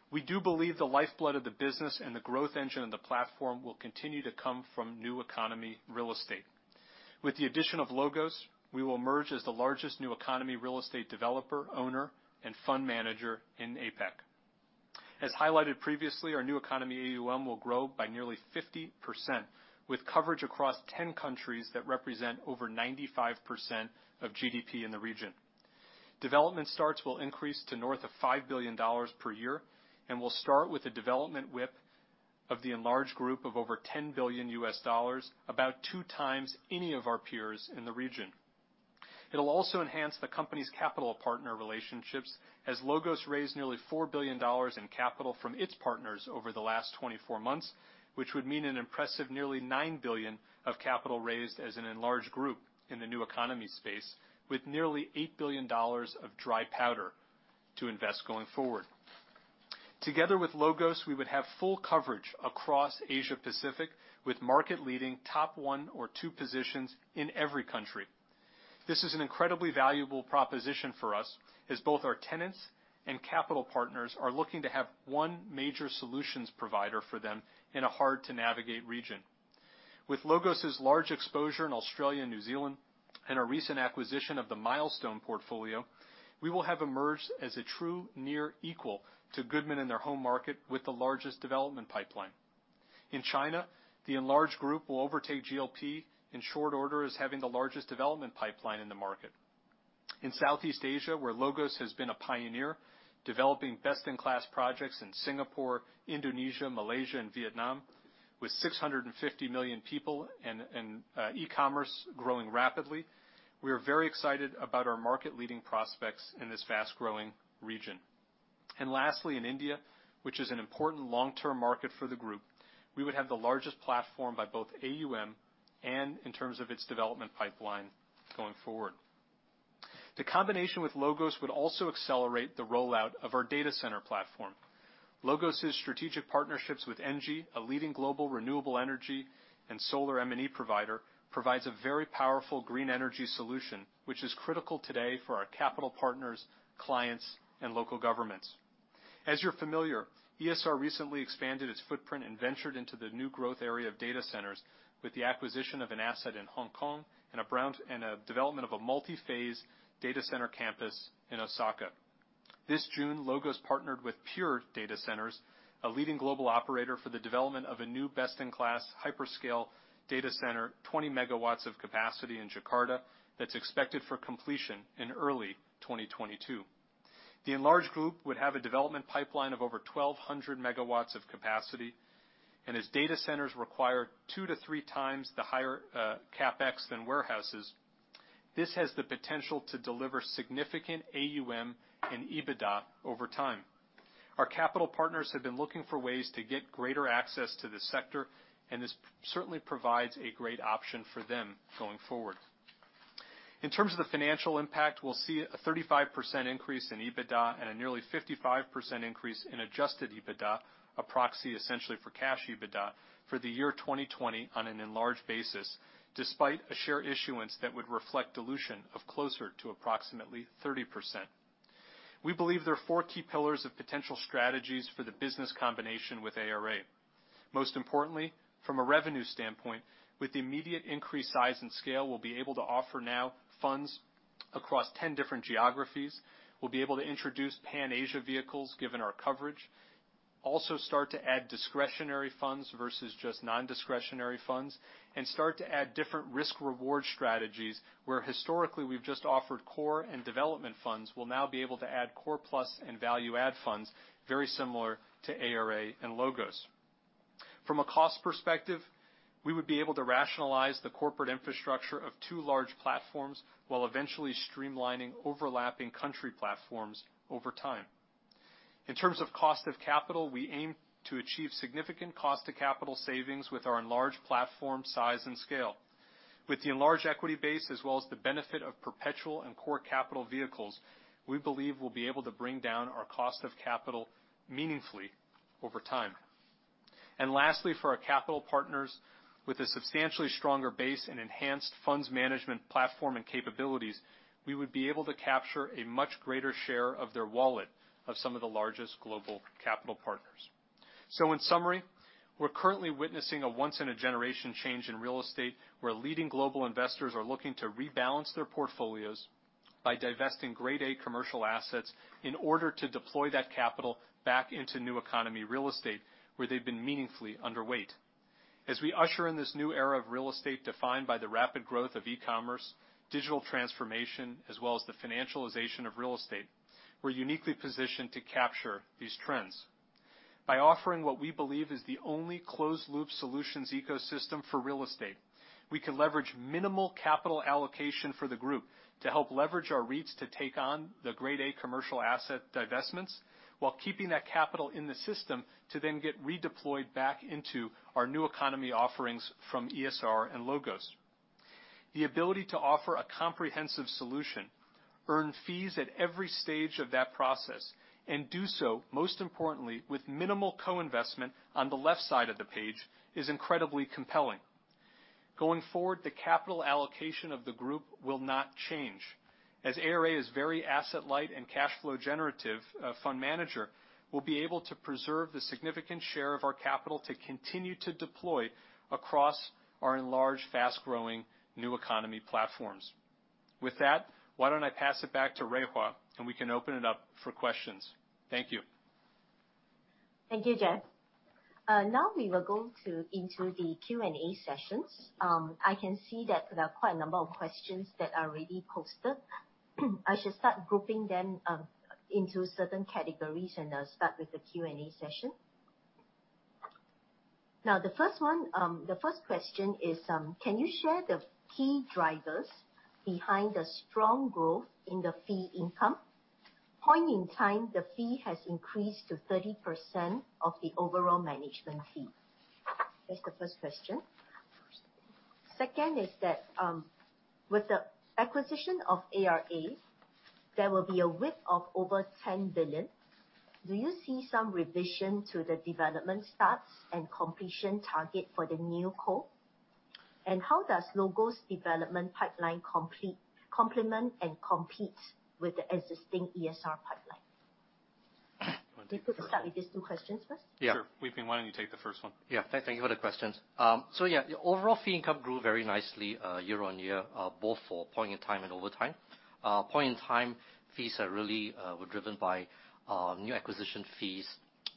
We do believe the lifeblood of the business and the growth engine of the platform will continue to come from New Economy real estate. With the addition of LOGOS, we will emerge as the largest New Economy real estate developer, owner, and fund manager in APAC. As highlighted previously, our New Economy AUM will grow by nearly 50%, with coverage across 10 countries that represent over 95% of GDP in the region. Development starts will increase to north of $5 billion per year, and will start with the development WIP of the enlarged group of over $10 billion U.S., about 2x any of our peers in the region. It'll also enhance the company's capital partner relationships, as LOGOS raised nearly $4 billion in capital from its partners over the last 24 months, which would mean an impressive nearly $9 billion of capital raised as an enlarged group in the new economy space, with nearly $8 billion of dry powder to invest going forward. Together with LOGOS, we would have full coverage across Asia Pacific, with market leading top one or two positions in every country. This is an incredibly valuable proposition for us, as both our tenants and capital partners are looking to have one major solutions provider for them in a hard to navigate region. With LOGOS' large exposure in Australia and New Zealand, and our recent acquisition of the Milestone portfolio, we will have emerged as a true near equal to Goodman in their home market, with the largest development pipeline. In China, the enlarged group will overtake GLP in short order as having the largest development pipeline in the market. In Southeast Asia, where LOGOS has been a pioneer, developing best-in-class projects in Singapore, Indonesia, Malaysia, and Vietnam. With 650 million people and e-commerce growing rapidly, we are very excited about our market leading prospects in this fast-growing region. Lastly, in India, which is an important long-term market for the group, we would have the largest platform by both AUM and in terms of its development pipeline going forward. The combination with LOGOS would also accelerate the rollout of our data center platform. LOGOS' strategic partnerships with ENGIE, a leading global renewable energy and solar M&E provider, provides a very powerful green energy solution, which is critical today for our capital partners, clients, and local governments. You're familiar, ESR recently expanded its footprint and ventured into the new growth area of data centers with the acquisition of an asset in Hong Kong and a development of a multi-phase data center campus in Osaka. This June, LOGOS partnered with Pure Data Centres, a leading global operator for the development of a new best-in-class hyperscale data center, 20 MW of capacity in Jakarta, that is expected for completion in early 2022. The enlarged group would have a development pipeline of over 1,200 MW of capacity. As data centers require two to three times the higher CapEx than warehouses, this has the potential to deliver significant AUM and EBITDA over time. Our capital partners have been looking for ways to get greater access to this sector, and this certainly provides a great option for them going forward. In terms of the financial impact, we will see a 35% increase in EBITDA and a nearly 55% increase in adjusted EBITDA, a proxy essentially for cash EBITDA, for the year 2020 on an enlarged basis, despite a share issuance that would reflect dilution of closer to approximately 30%. We believe there are four key pillars of potential strategies for the business combination with ARA. Most importantly, from a revenue standpoint, with the immediate increased size and scale, we'll be able to offer now funds across 10 different geographies. We'll be able to introduce Pan-Asia vehicles, given our coverage. Also start to add discretionary funds versus just non-discretionary funds, and start to add different risk reward strategies, where historically we've just offered core and development funds. We'll now be able to add core plus and value add funds, very similar to ARA and LOGOS. From a cost perspective, we would be able to rationalize the corporate infrastructure of two large platforms while eventually streamlining overlapping country platforms over time. In terms of cost of capital, we aim to achieve significant cost of capital savings with our enlarged platform size and scale. With the enlarged equity base, as well as the benefit of perpetual and core capital vehicles, we believe we'll be able to bring down our cost of capital meaningfully over time. Lastly, for our capital partners, with a substantially stronger base and enhanced funds management platform and capabilities, we would be able to capture a much greater share of their wallet of some of the largest global capital partners. In summary, we're currently witnessing a once in a generation change in real estate, where leading global investors are looking to rebalance their portfolios by divesting grade A commercial assets in order to deploy that capital back into new economy real estate, where they've been meaningfully underweight. As we usher in this new era of real estate defined by the rapid growth of e-commerce, digital transformation, as well as the financialization of real estate, we're uniquely positioned to capture these trends. By offering what we believe is the only closed loop solutions ecosystem for real estate, we can leverage minimal capital allocation for the group to help leverage our REITs to take on the grade A commercial asset divestments while keeping that capital in the system to then get redeployed back into our new economy offerings from ESR and LOGOS. The ability to offer a comprehensive solution, earn fees at every stage of that process, and do so, most importantly, with minimal co-investment on the left side of the page, is incredibly compelling. The capital allocation of the group will not change. As ARA is very asset light and cash flow generative fund manager, we'll be able to preserve the significant share of our capital to continue to deploy across our enlarged, fast-growing new economy platforms. With that, why don't I pass it back to Rui Hua, and we can open it up for questions. Thank you. Thank you, Jeff. We will go into the Q&A sessions. I can see that there are quite a number of questions that are already posted. I should start grouping them into certain categories, and I'll start with the Q&A session. The first question is: Can you share the key drivers behind the strong growth in the fee income? Point in time, the fee has increased to 30% of the overall management fee. That's the first question. Second is that with the acquisition of ARA, there will be a WIP of over $10 billion. Do you see some revision to the development starts and completion target for the new core? How does LOGOS development pipeline complement and compete with the existing ESR pipeline? We could start with these two questions first. Yeah. Sure. Cho Wee Peng, why don't you take the first one? Thank you for the questions. The overall fee income grew very nicely year-on-year, both for point in time and over time. Point in time fees really were driven by new acquisition fees,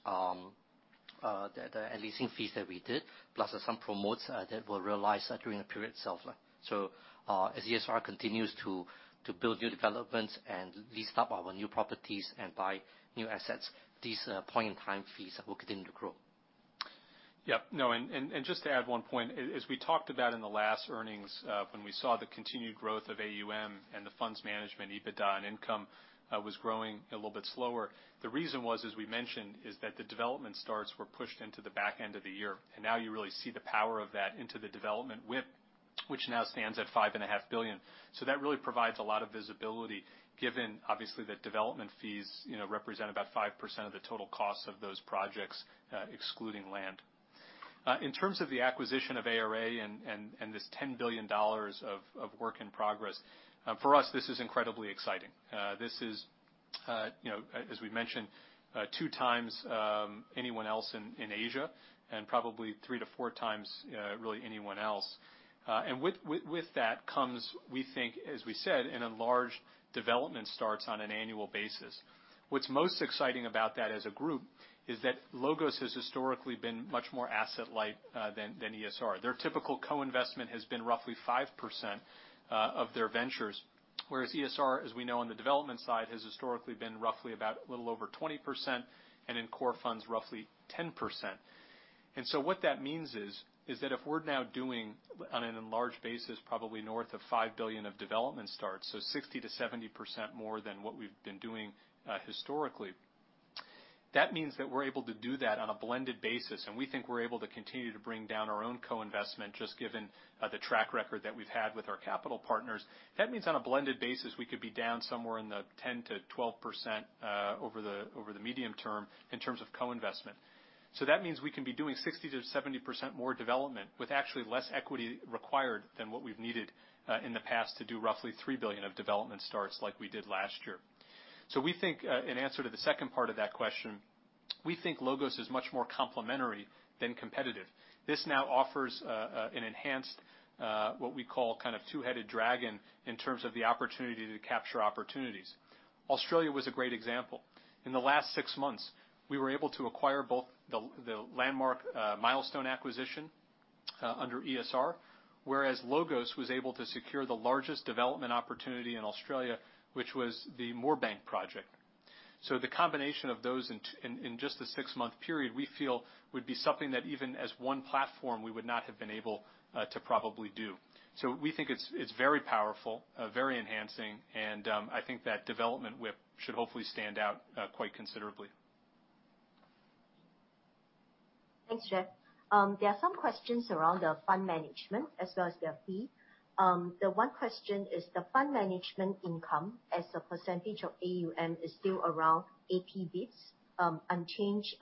the leasing fees that we did, plus some promotes that were realized during the period itself. As ESR continues to build new developments and lease up our new properties and buy new assets, these point in time fees will continue to grow. Yeah. No, just to add one point, as we talked about in the last earnings, when we saw the continued growth of AUM and the funds management EBITDA and income was growing a little bit slower. The reason was, as we mentioned, is that the development starts were pushed into the back end of the year. Now you really see the power of that into the development WIP, which now stands at $5.5 billion. That really provides a lot of visibility given obviously that development fees represent about 5% of the total cost of those projects, excluding land. In terms of the acquisition of ARA and this $10 billion of work in progress, for us, this is incredibly exciting. This is, as we mentioned, two times anyone else in Asia and probably three to four times really anyone else. With that comes, we think, as we said, an enlarged development starts on an annual basis. What's most exciting about that as a group is that LOGOS has historically been much more asset light than ESR. Their typical co-investment has been roughly 5% of their ventures, whereas ESR, as we know on the development side, has historically been roughly about a little over 20%, and in core funds, roughly 10%. What that means is that if we're now doing on an enlarged basis probably north of $5 billion of development starts, so 60%-70% more than what we've been doing historically. That means that we're able to do that on a blended basis, and we think we're able to continue to bring down our own co-investment, just given the track record that we've had with our capital partners. That means on a blended basis, we could be down somewhere in the 10%-12% over the medium term in terms of co-investment. That means we can be doing 60%-70% more development with actually less equity required than what we've needed in the past to do roughly $3 billion of development starts like we did last year. We think, in answer to the second part of that question, we think LOGOS is much more complementary than competitive. This now offers an enhanced, what we call kind of two-headed dragon in terms of the opportunity to capture opportunities. Australia was a great example. In the last six months, we were able to acquire both the landmark Milestone acquisition under ESR, whereas LOGOS was able to secure the largest development opportunity in Australia, which was the Moorebank project. The combination of those in just the six-month period, we feel would be something that even as one platform, we would not have been able to probably do. We think it's very powerful, very enhancing, and I think that development WIP should hopefully stand out quite considerably. Thanks, Jeff. There are some questions around the fund management as well as the fee. The one question is the fund management income as a percentage of AUM is still around 80 basis points unchanged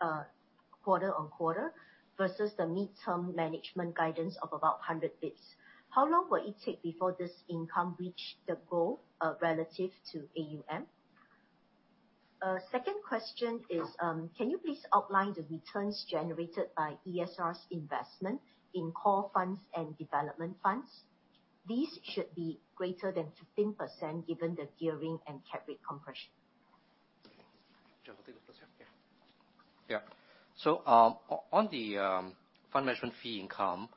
quarter-on-quarter versus the midterm management guidance of about 100 basis points. How long will it take before this income reach the goal relative to AUM? Second question is, can you please outline the returns generated by ESR's investment in core funds and development funds? These should be greater than 15% given the gearing and cap rate compression. Jeff will take the first one. Yeah. On the fund management fee income,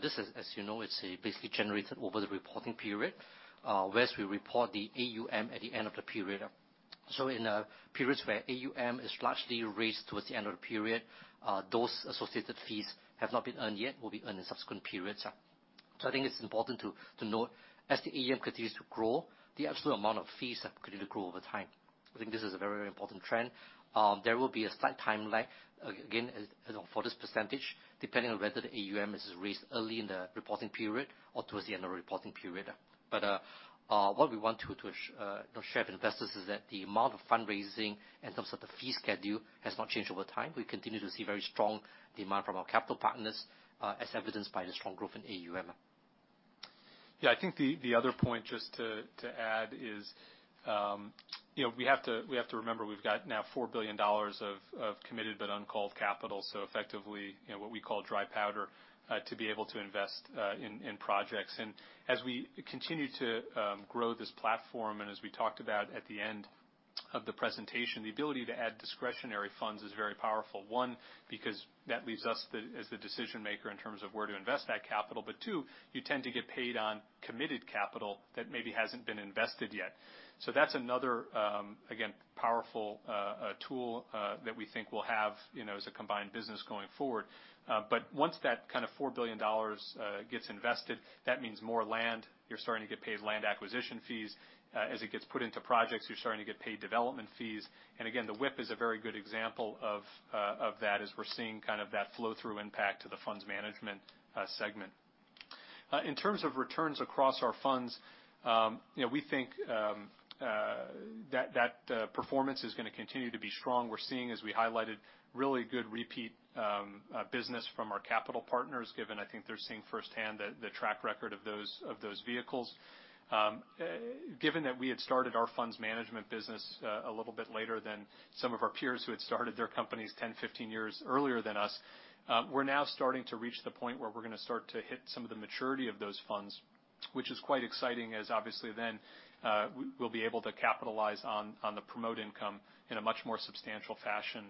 this is, as you know, it's basically generated over the reporting period, whereas we report the AUM at the end of the period. In periods where AUM is largely raised towards the end of the period, those associated fees have not been earned yet, will be earned in subsequent periods. I think it's important to note as the AUM continues to grow, the absolute amount of fees have continued to grow over time. I think this is a very important trend. There will be a slight time lag again for this percentage, depending on whether the AUM is raised early in the reporting period or towards the end of the reporting period. What we want to share with investors is that the amount of fundraising in terms of the fee schedule has not changed over time. We continue to see very strong demand from our capital partners, as evidenced by the strong growth in AUM. I think the other point just to add is we have to remember we've got now $4 billion of committed but uncalled capital, so effectively what we call dry powder to be able to invest in projects. As we continue to grow this platform, as we talked about at the end of the presentation, the ability to add discretionary funds is very powerful. One, because that leaves us as the decision maker in terms of where to invest that capital. Two, you tend to get paid on committed capital that maybe hasn't been invested yet. That's another, again, powerful tool that we think we'll have as a combined business going forward. Once that $4 billion gets invested, that means more land. You're starting to get paid land acquisition fees. As it gets put into projects, you're starting to get paid development fees. Again, the WIP is a very good example of that, as we're seeing that flow-through impact to the funds management segment. In terms of returns across our funds, we think that performance is going to continue to be strong. We're seeing, as we highlighted, really good repeat business from our capital partners, given I think they're seeing firsthand the track record of those vehicles. Given that we had started our funds management business a little bit later than some of our peers who had started their companies 10, 15 years earlier than us, we're now starting to reach the point where we're going to start to hit some of the maturity of those funds. Which is quite exciting, as obviously then we'll be able to capitalize on the promote income in a much more substantial fashion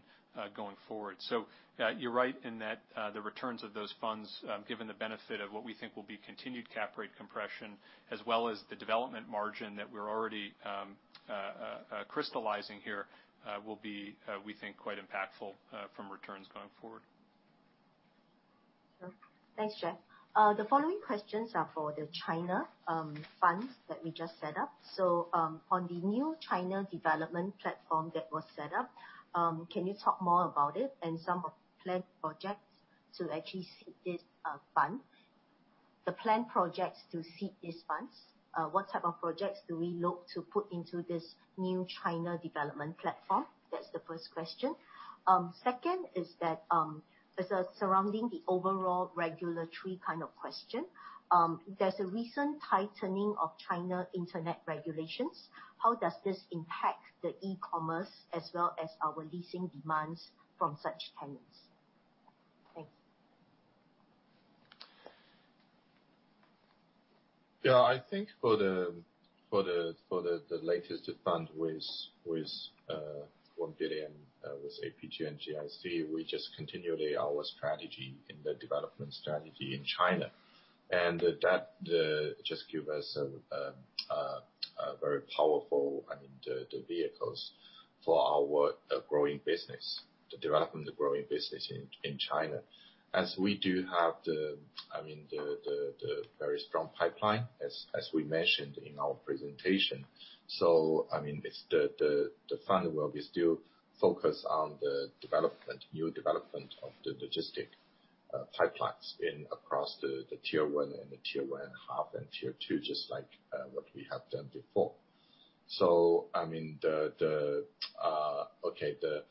going forward. You're right in that the returns of those funds, given the benefit of what we think will be continued cap rate compression, as well as the development margin that we're already crystallizing here, will be, we think, quite impactful from returns going forward. Sure. Thanks, Jeff. The following questions are for the China funds that we just set up. On the new China development platform that was set up, can you talk more about it and some of the planned projects to actually seed this fund? The planned projects to seed these funds, what type of projects do we look to put into this new China development platform? That's the first question. Second is surrounding the overall regulatory kind of question. There's a recent tightening of China internet regulations. How does this impact the e-commerce as well as our leasing demands from such tenants? Thanks. Yeah, I think for the latest fund with $1 billion, with APG and GIC, we just continue our strategy in the development strategy in China. That just give us a very powerful, I mean, the vehicles for our growing business, to develop the growing business in China. As we do have the very strong pipeline, as we mentioned in our presentation. I mean, the fund will be still focused on the new development of the logistics pipelines across the tier 1 and tier 1.5 and tier 2, just like what we have done before. I mean, okay, the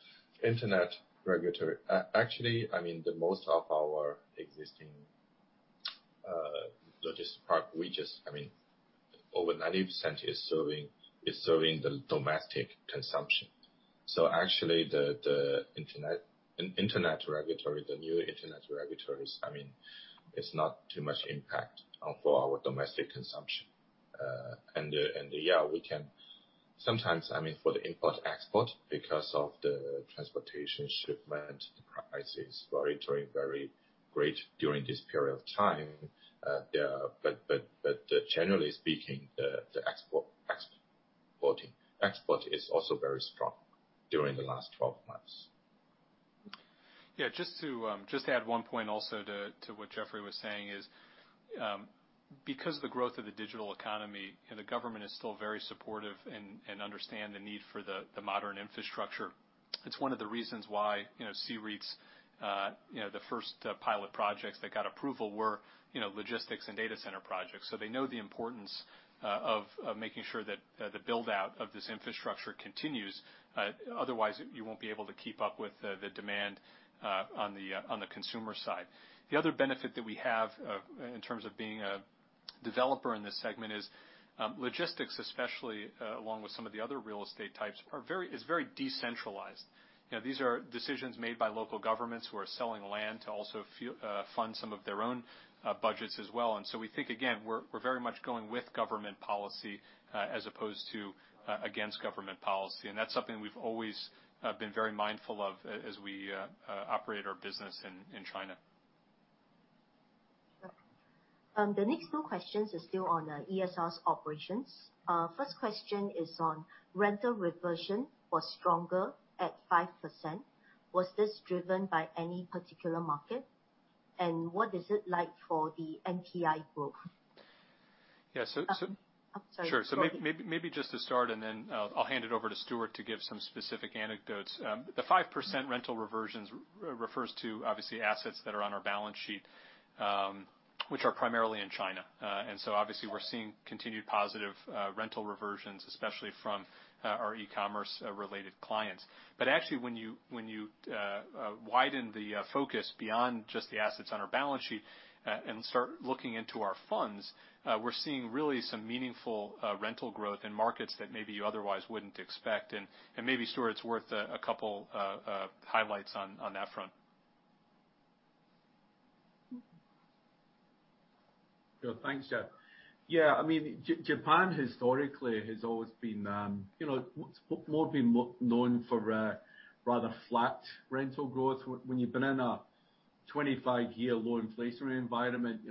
internet regulatory. Actually, I mean, the most of our existing logistics park, over 90% is serving the domestic consumption. Actually, the new internet regulatory, I mean, it's not too much impact for our domestic consumption. Yeah, we can sometimes, I mean, for the import-export, because of the transportation shipment prices vary very greatly during this period of time. Generally speaking, export is also very strong during the last 12 months. Yeah, just to add one point also to what Jeffrey was saying is because the growth of the digital economy and the government is still very supportive and understand the need for the modern infrastructure, it's one of the reasons why C-REITs, the first pilot projects that got approval were logistics and data center projects. They know the importance of making sure that the build-out of this infrastructure continues. Otherwise, you won't be able to keep up with the demand on the consumer side. The other benefit that we have in terms of being a developer in this segment is logistics, especially along with some of the other real estate types, is very decentralized. These are decisions made by local governments who are selling land to also fund some of their own budgets as well. We think, again, we're very much going with government policy as opposed to against government policy. That's something we've always been very mindful of as we operate our business in China. Sure. The next two questions are still on the ESR's operations. First question is on rental reversion was stronger at 5%. Was this driven by any particular market? What is it like for the NPI growth? Yeah, so- Sorry. Go ahead. Sure. Maybe just to start, and then I'll hand it over to Stuart to give some specific anecdotes. The 5% rental reversions refers to, obviously, assets that are on our balance sheet, which are primarily in China. Obviously we're seeing continued positive rental reversions, especially from our e-commerce related clients. Actually, when you widen the focus beyond just the assets on our balance sheet and start looking into our funds, we're seeing really some meaningful rental growth in markets that maybe you otherwise wouldn't expect. Maybe Stuart, it's worth a couple highlights on that front. Sure. Thanks, Jeff. Japan historically has always been more been known for rather flat rental growth. When you've been in a 25-year low inflationary environment,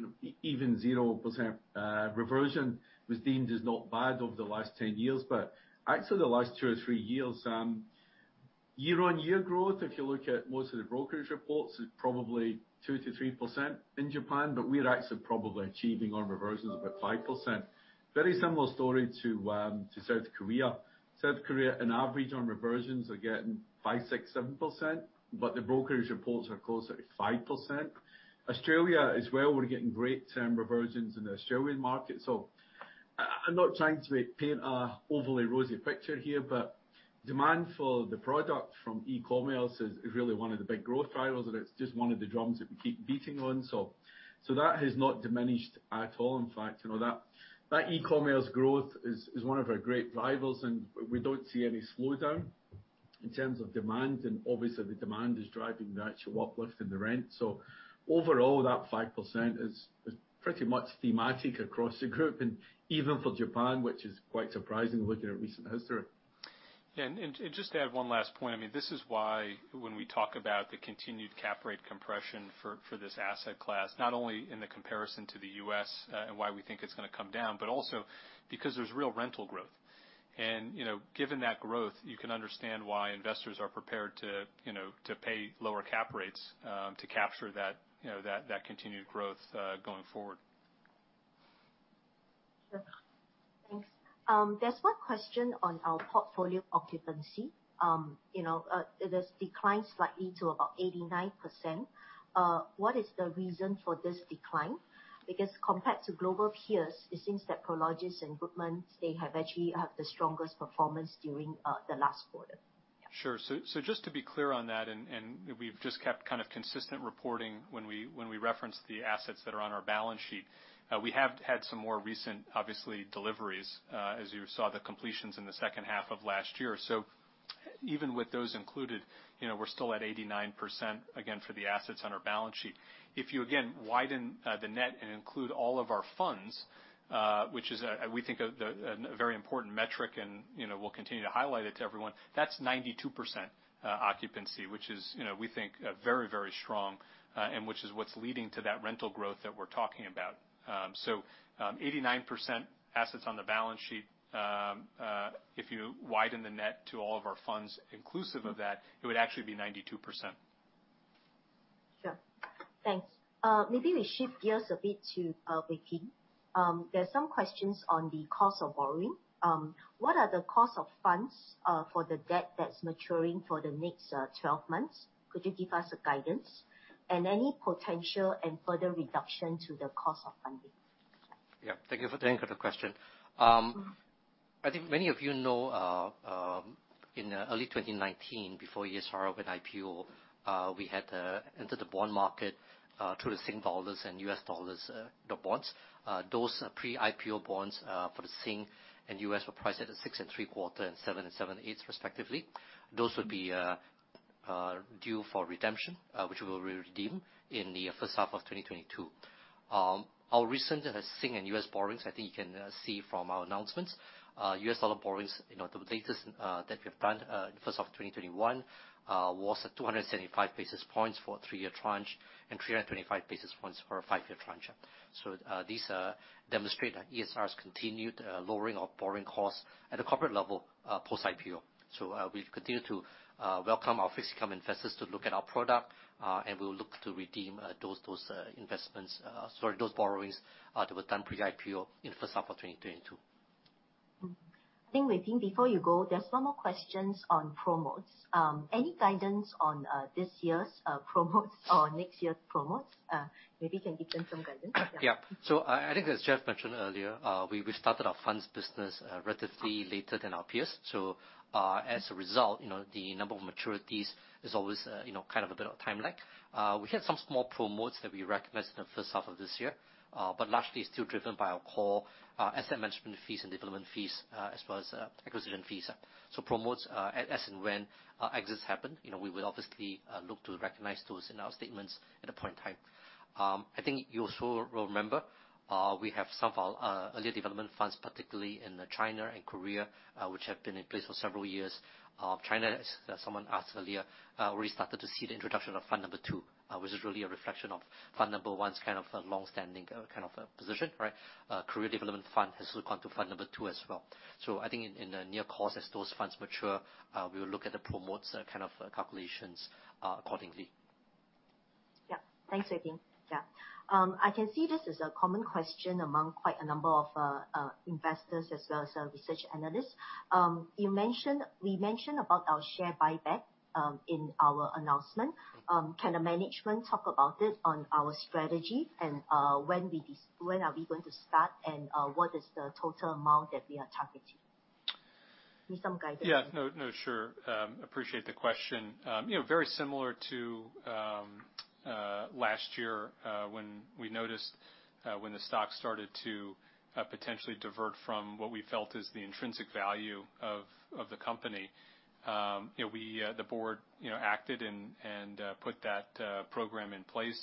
even 0% reversion was deemed as not bad over the last 10 years. Actually, the last two or three years, year-on-year growth, if you look at most of the brokerage reports, is probably 2%-3% in Japan. We're actually probably achieving our reversions about 5%. Very similar story to South Korea. South Korea, on average, on reversions are getting 5%, 6%, 7%. The brokerage reports are closer to 5%. Australia as well, we're getting great term reversions in the Australian market. I'm not trying to paint an overly rosy picture here. Demand for the product from e-commerce is really one of the big growth drivers, and it's just one of the drums that we keep beating on. That has not diminished at all. In fact, that e-commerce growth is one of our great rivals, and we don't see any slowdown in terms of demand. Obviously, the demand is driving the actual uplift in the rent. Overall, that 5% is pretty much thematic across the group and even for Japan, which is quite surprising looking at recent history. Yeah. Just to add one last point. This is why when we talk about the continued cap rate compression for this asset class, not only in the comparison to the U.S. and why we think it's going to come down, but also because there's real rental growth. Given that growth, you can understand why investors are prepared to pay lower cap rates to capture that continued growth going forward. Sure. Thanks. There's one question on our portfolio occupancy. It has declined slightly to about 89%. What is the reason for this decline? Compared to global peers, it seems that Prologis and Goodman, they actually have the strongest performance during the last quarter. Sure. Just to be clear on that, and we've just kept consistent reporting when we reference the assets that are on our balance sheet. We have had some more recent, obviously, deliveries, as you saw the completions in the second half of last year. Even with those included, we're still at 89%, again, for the assets on our balance sheet. If you, again, widen the net and include all of our funds, which is, we think, a very important metric, and we'll continue to highlight it to everyone, that's 92% occupancy, which is, we think, very strong, and which is what's leading to that rental growth that we're talking about. 89% assets on the balance sheet. If you widen the net to all of our funds inclusive of that, it would actually be 92%. Sure. Thanks. Maybe we shift gears a bit to Wee Peng. There are some questions on the cost of borrowing. What are the cost of funds for the debt that's maturing for the next 12 months? Could you give us a guidance? Any potential and further reduction to the cost of funding? Yeah. Thank you for the question. I think many of you know, in early 2019, before ESR opened IPO, we had entered the bond market through the SGD and USD bonds. Those pre-IPO bonds for the SGD and USD were priced at six and three quarter and seven and seven eighths respectively. Those would be due for redemption, which we will redeem in the first half of 2022. Our recent SGD and USD borrowings, I think you can see from our announcements. USD borrowings, the latest that we have done, first half of 2021, was at 275 basis points for a three-year tranche and 325 basis points for a five-year tranche. These demonstrate ESR's continued lowering of borrowing costs at a corporate level post IPO. We continue to welcome our fixed income investors to look at our product, and we will look to redeem those investments, sorry, those borrowings that were done pre IPO in first half of 2022. Wee Peng, before you go, there are some more questions on promotes. Any guidance on this year's promotes or next year's promotes? Maybe you can give them some guidance. Yeah. I think as Jeff mentioned earlier, we started our funds business relatively later than our peers. As a result, the number of maturities is always kind of a bit of time lag. We had some small promotes that we recognized in the first half of this year. Largely, it's still driven by our core asset management fees and development fees, as well as acquisition fees. Promotes, as and when exits happen, we will obviously look to recognize those in our statements at a point in time. I think you also will remember, we have some of our earlier development funds, particularly in China and Korea, which have been in place for several years. China, as someone asked earlier, we started to see the introduction of fund two, which is really a reflection of fund one's kind of a long-standing position, right? Korea development fund has moved on to fund number two as well. I think in the near course, as those funds mature, we will look at the promotes kind of calculations accordingly. Thanks, Wee Peng. I can see this is a common question among quite a number of investors as well as our research analysts. We mentioned about our share buyback in our announcement. Can the management talk about this on our strategy and when are we going to start, and what is the total amount that we are targeting? Give me some guidance. Yeah. No, sure. Appreciate the question. Very similar to last year, when we noticed when the stock started to potentially divert from what we felt is the intrinsic value of the company. The board acted and put that program in place.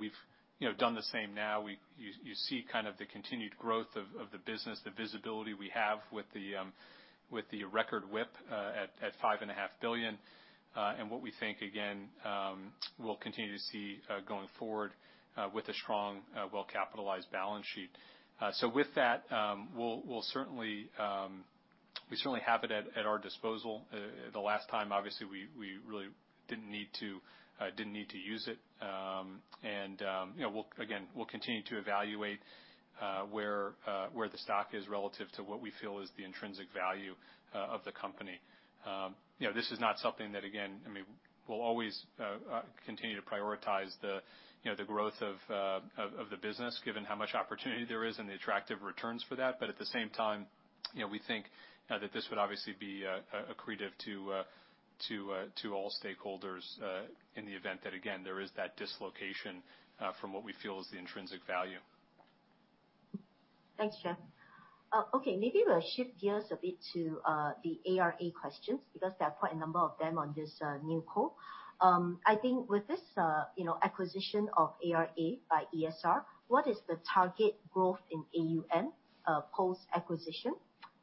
We've done the same now. You see the continued growth of the business, the visibility we have with the record WIP at $5.5 billion, and what we think, again, we'll continue to see going forward with a strong, well-capitalized balance sheet. With that, we certainly have it at our disposal. The last time, obviously, we really didn't need to use it. Again, we'll continue to evaluate where the stock is relative to what we feel is the intrinsic value of the company. This is not something that we'll always continue to prioritize the growth of the business, given how much opportunity there is and the attractive returns for that. At the same time, we think that this would obviously be accretive to all stakeholders in the event that, again, there is that dislocation from what we feel is the intrinsic value. Thanks, Jeff. Okay, maybe we'll shift gears a bit to the ARA questions, because there are quite a number of them on this new call. I think with this acquisition of ARA by ESR, what is the target growth in AUM post-acquisition?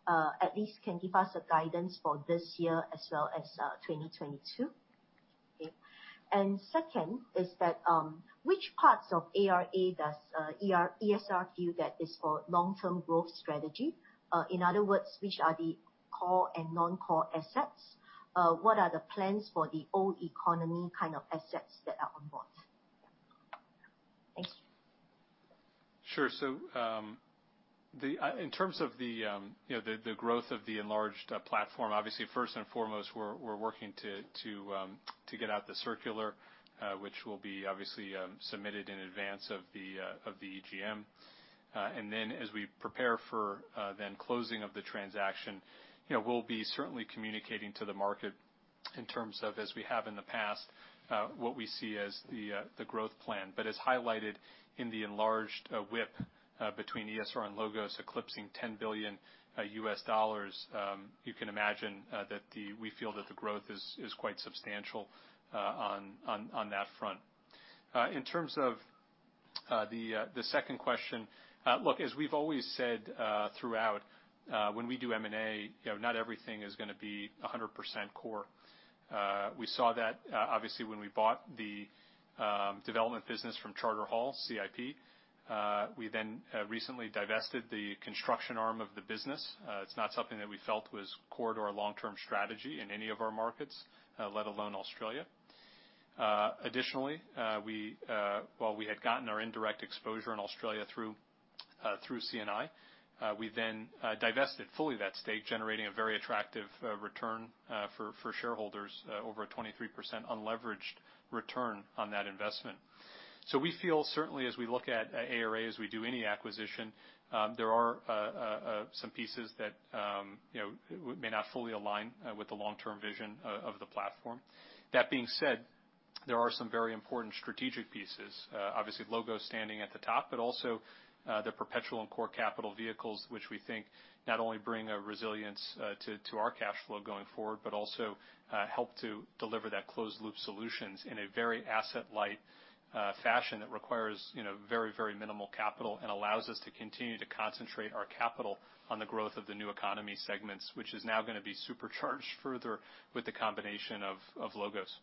At least can give us a guidance for this year as well as 2022. Okay. Second is that, which parts of ARA does ESR view that is for long-term growth strategy? In other words, which are the core and non-core assets? What are the plans for the old economy kind of assets that are on board? Thank you. Sure. In terms of the growth of the enlarged platform, obviously, first and foremost, we're working to get out the circular, which will be obviously submitted in advance of the EGM. As we prepare for then closing of the transaction. We'll be certainly communicating to the market in terms of, as we have in the past, what we see as the growth plan. As highlighted in the enlarged WIP between ESR and LOGOS eclipsing $10 billion USD, you can imagine that we feel that the growth is quite substantial on that front. In terms of the second question. Look, as we've always said throughout, when we do M&A, not everything is going to be 100% core. We saw that obviously when we bought the development business from Charter Hall CIP. We then recently divested the construction arm of the business. It's not something that we felt was core to our long-term strategy in any of our markets, let alone Australia. Additionally, while we had gotten our indirect exposure in Australia through CNI, we then divested fully that stake, generating a very attractive return for shareholders, over a 23% unleveraged return on that investment. We feel certainly as we look at ARA, as we do any acquisition, there are some pieces that may not fully align with the long-term vision of the platform. That being said, there are some very important strategic pieces. Obviously, Logos standing at the top, but also the perpetual and core capital vehicles, which we think not only bring a resilience to our cash flow going forward, but also help to deliver that closed-loop solutions in a very asset-light fashion that requires very minimal capital and allows us to continue to concentrate our capital on the growth of the new economy segments, which is now going to be supercharged further with the combination of Logos.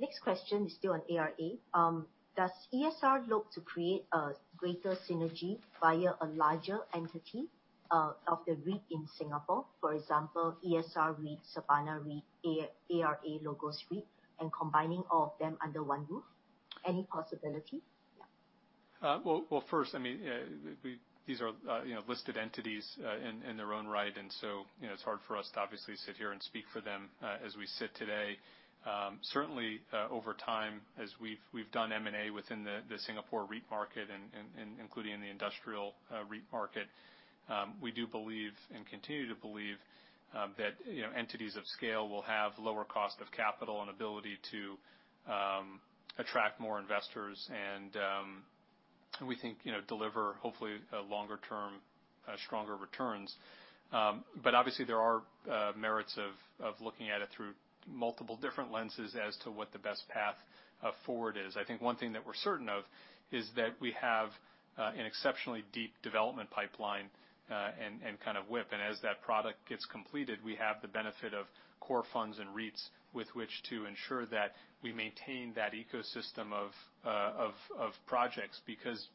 Next question is still on ARA. Does ESR look to create a greater synergy via a larger entity of the REIT in Singapore, for example, ESR REIT, Sabana REIT, ARA LOGOS REIT, and combining all of them under one roof? Any possibility? Yeah. First, these are listed entities in their own right, and so it's hard for us to obviously sit here and speak for them as we sit today. Certainly, over time, as we've done M&A within the Singapore REIT market, including in the industrial REIT market, we do believe and continue to believe that entities of scale will have lower cost of capital and ability to attract more investors, and we think deliver, hopefully, longer-term, stronger returns. Obviously, there are merits of looking at it through multiple different lenses as to what the best path forward is. I think one thing that we're certain of is that we have an exceptionally deep development pipeline and WIP. As that product gets completed, we have the benefit of core funds and REITs with which to ensure that we maintain that ecosystem of projects. Because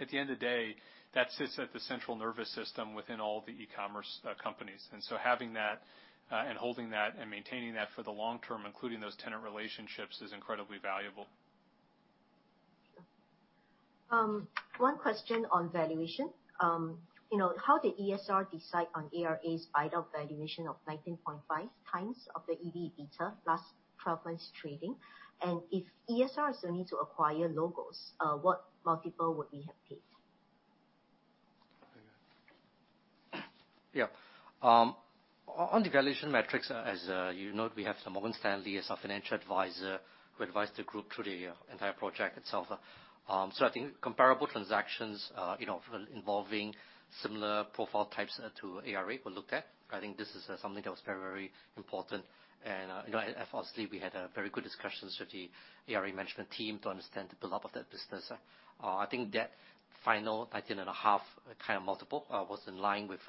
at the end of the day, that sits at the central nervous system within all the e-commerce companies. Having that and holding that and maintaining that for the long term, including those tenant relationships, is incredibly valuable. Sure. One question on valuation. How did ESR decide on ARA's buy-out valuation of 19.5x of the EV/EBITDA last 12 months trading? If ESR still needs to acquire LOGOS, what multiple would we have paid? Yeah. On the valuation metrics, as you know, we have Morgan Stanley as our financial advisor, who advised the group through the entire project itself. I think comparable transactions involving similar profile types to ARA were looked at. I think this is something that was very important. Obviously, we had very good discussions with the ARA management team to understand the build-up of that business. I think that final 19.5 kind of multiple was in line with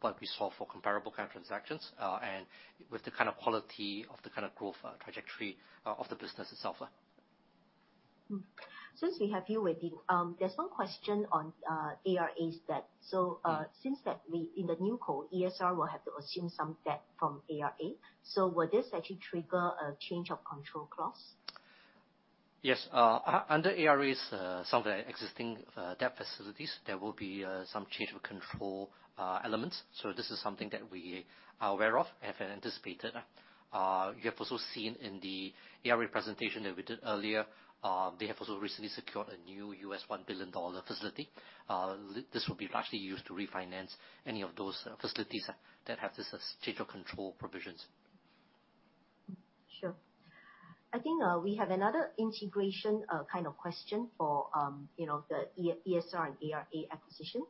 what we saw for comparable kind of transactions, and with the kind of quality of the kind of growth trajectory of the business itself. Since we have you, Weh-Teh, there's one question on ARA's debt. Since that in the new call, ESR will have to assume some debt from ARA, so will this actually trigger a change of control clause? Yes. Under ARA's, some of the existing debt facilities, there will be some change of control elements. This is something that we are aware of, have anticipated. You have also seen in the ARA presentation that we did earlier, they have also recently secured a new $1 billion facility. This will be largely used to refinance any of those facilities that have this change of control provisions. Sure. I think we have another integration kind of question for the ESR and ARA acquisition.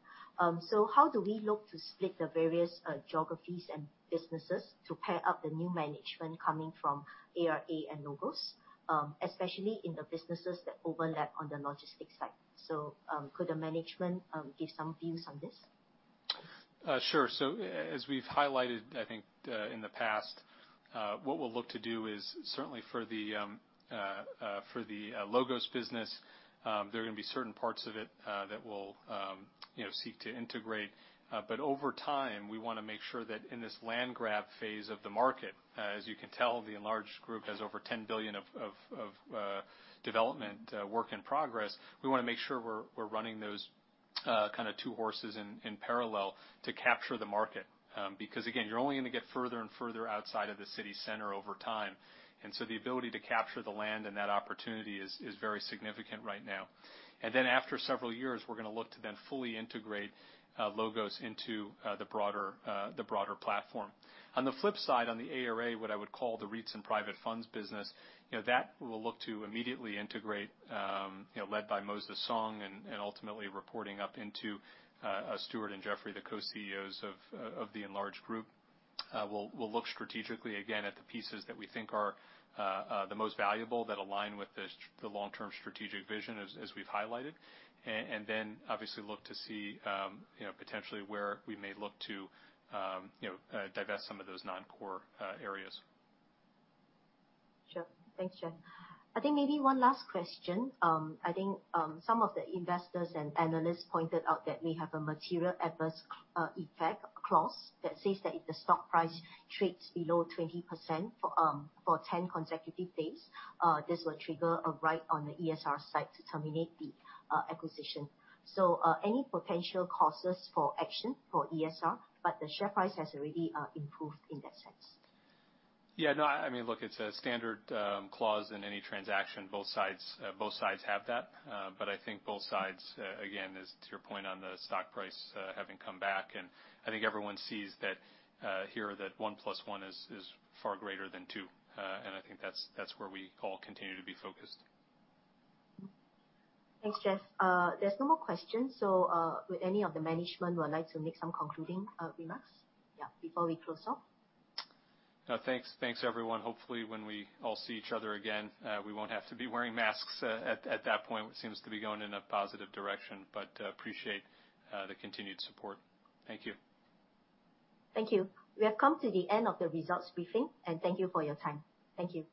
How do we look to split the various geographies and businesses to pair up the new management coming from ARA and LOGOS, especially in the businesses that overlap on the logistics side? Could the management give some views on this? Sure. As we've highlighted, I think, in the past, what we'll look to do is certainly for the LOGOS business, there are going to be certain parts of it that we'll seek to integrate. Over time, we want to make sure that in this land grab phase of the market, as you can tell, the enlarged group has over $10 billion of development work in progress. We want to make sure we're running those two horses in parallel to capture the market. Again, you're only going to get further and further outside of the city center over time. The ability to capture the land and that opportunity is very significant right now. After several years, we're going to look to then fully integrate LOGOS into the broader platform. On the flip side, on the ARA, what I would call the REITs and private funds business, that we'll look to immediately integrate, led by Moses Song and ultimately reporting up into Stuart and Jeffrey, the Co-CEOs of the enlarged group. We'll look strategically again at the pieces that we think are the most valuable that align with the long-term strategic vision as we've highlighted, and then obviously look to see potentially where we may look to divest some of those non-core areas. Sure. Thanks, Jeff. I think maybe one last question. I think some of the investors and analysts pointed out that we have a material adverse effect clause that says that if the stock price trades below 20% for 10 consecutive days, this will trigger a right on the ESR side to terminate the acquisition. Any potential causes for action for ESR, but the share price has already improved in that sense. Yeah, no, it's a standard clause in any transaction. Both sides have that. I think both sides, again, is to your point on the stock price having come back, and I think everyone sees that here that one plus one is far greater than two. I think that's where we all continue to be focused. Thanks, Jeff. There's no more questions. Would any of the management like to make some concluding remarks? Yeah, before we close off. Thanks everyone. Hopefully, when we all see each other again, we won't have to be wearing masks at that point. It seems to be going in a positive direction. Appreciate the continued support. Thank you. Thank you. We have come to the end of the results briefing, and thank you for your time. Thank you.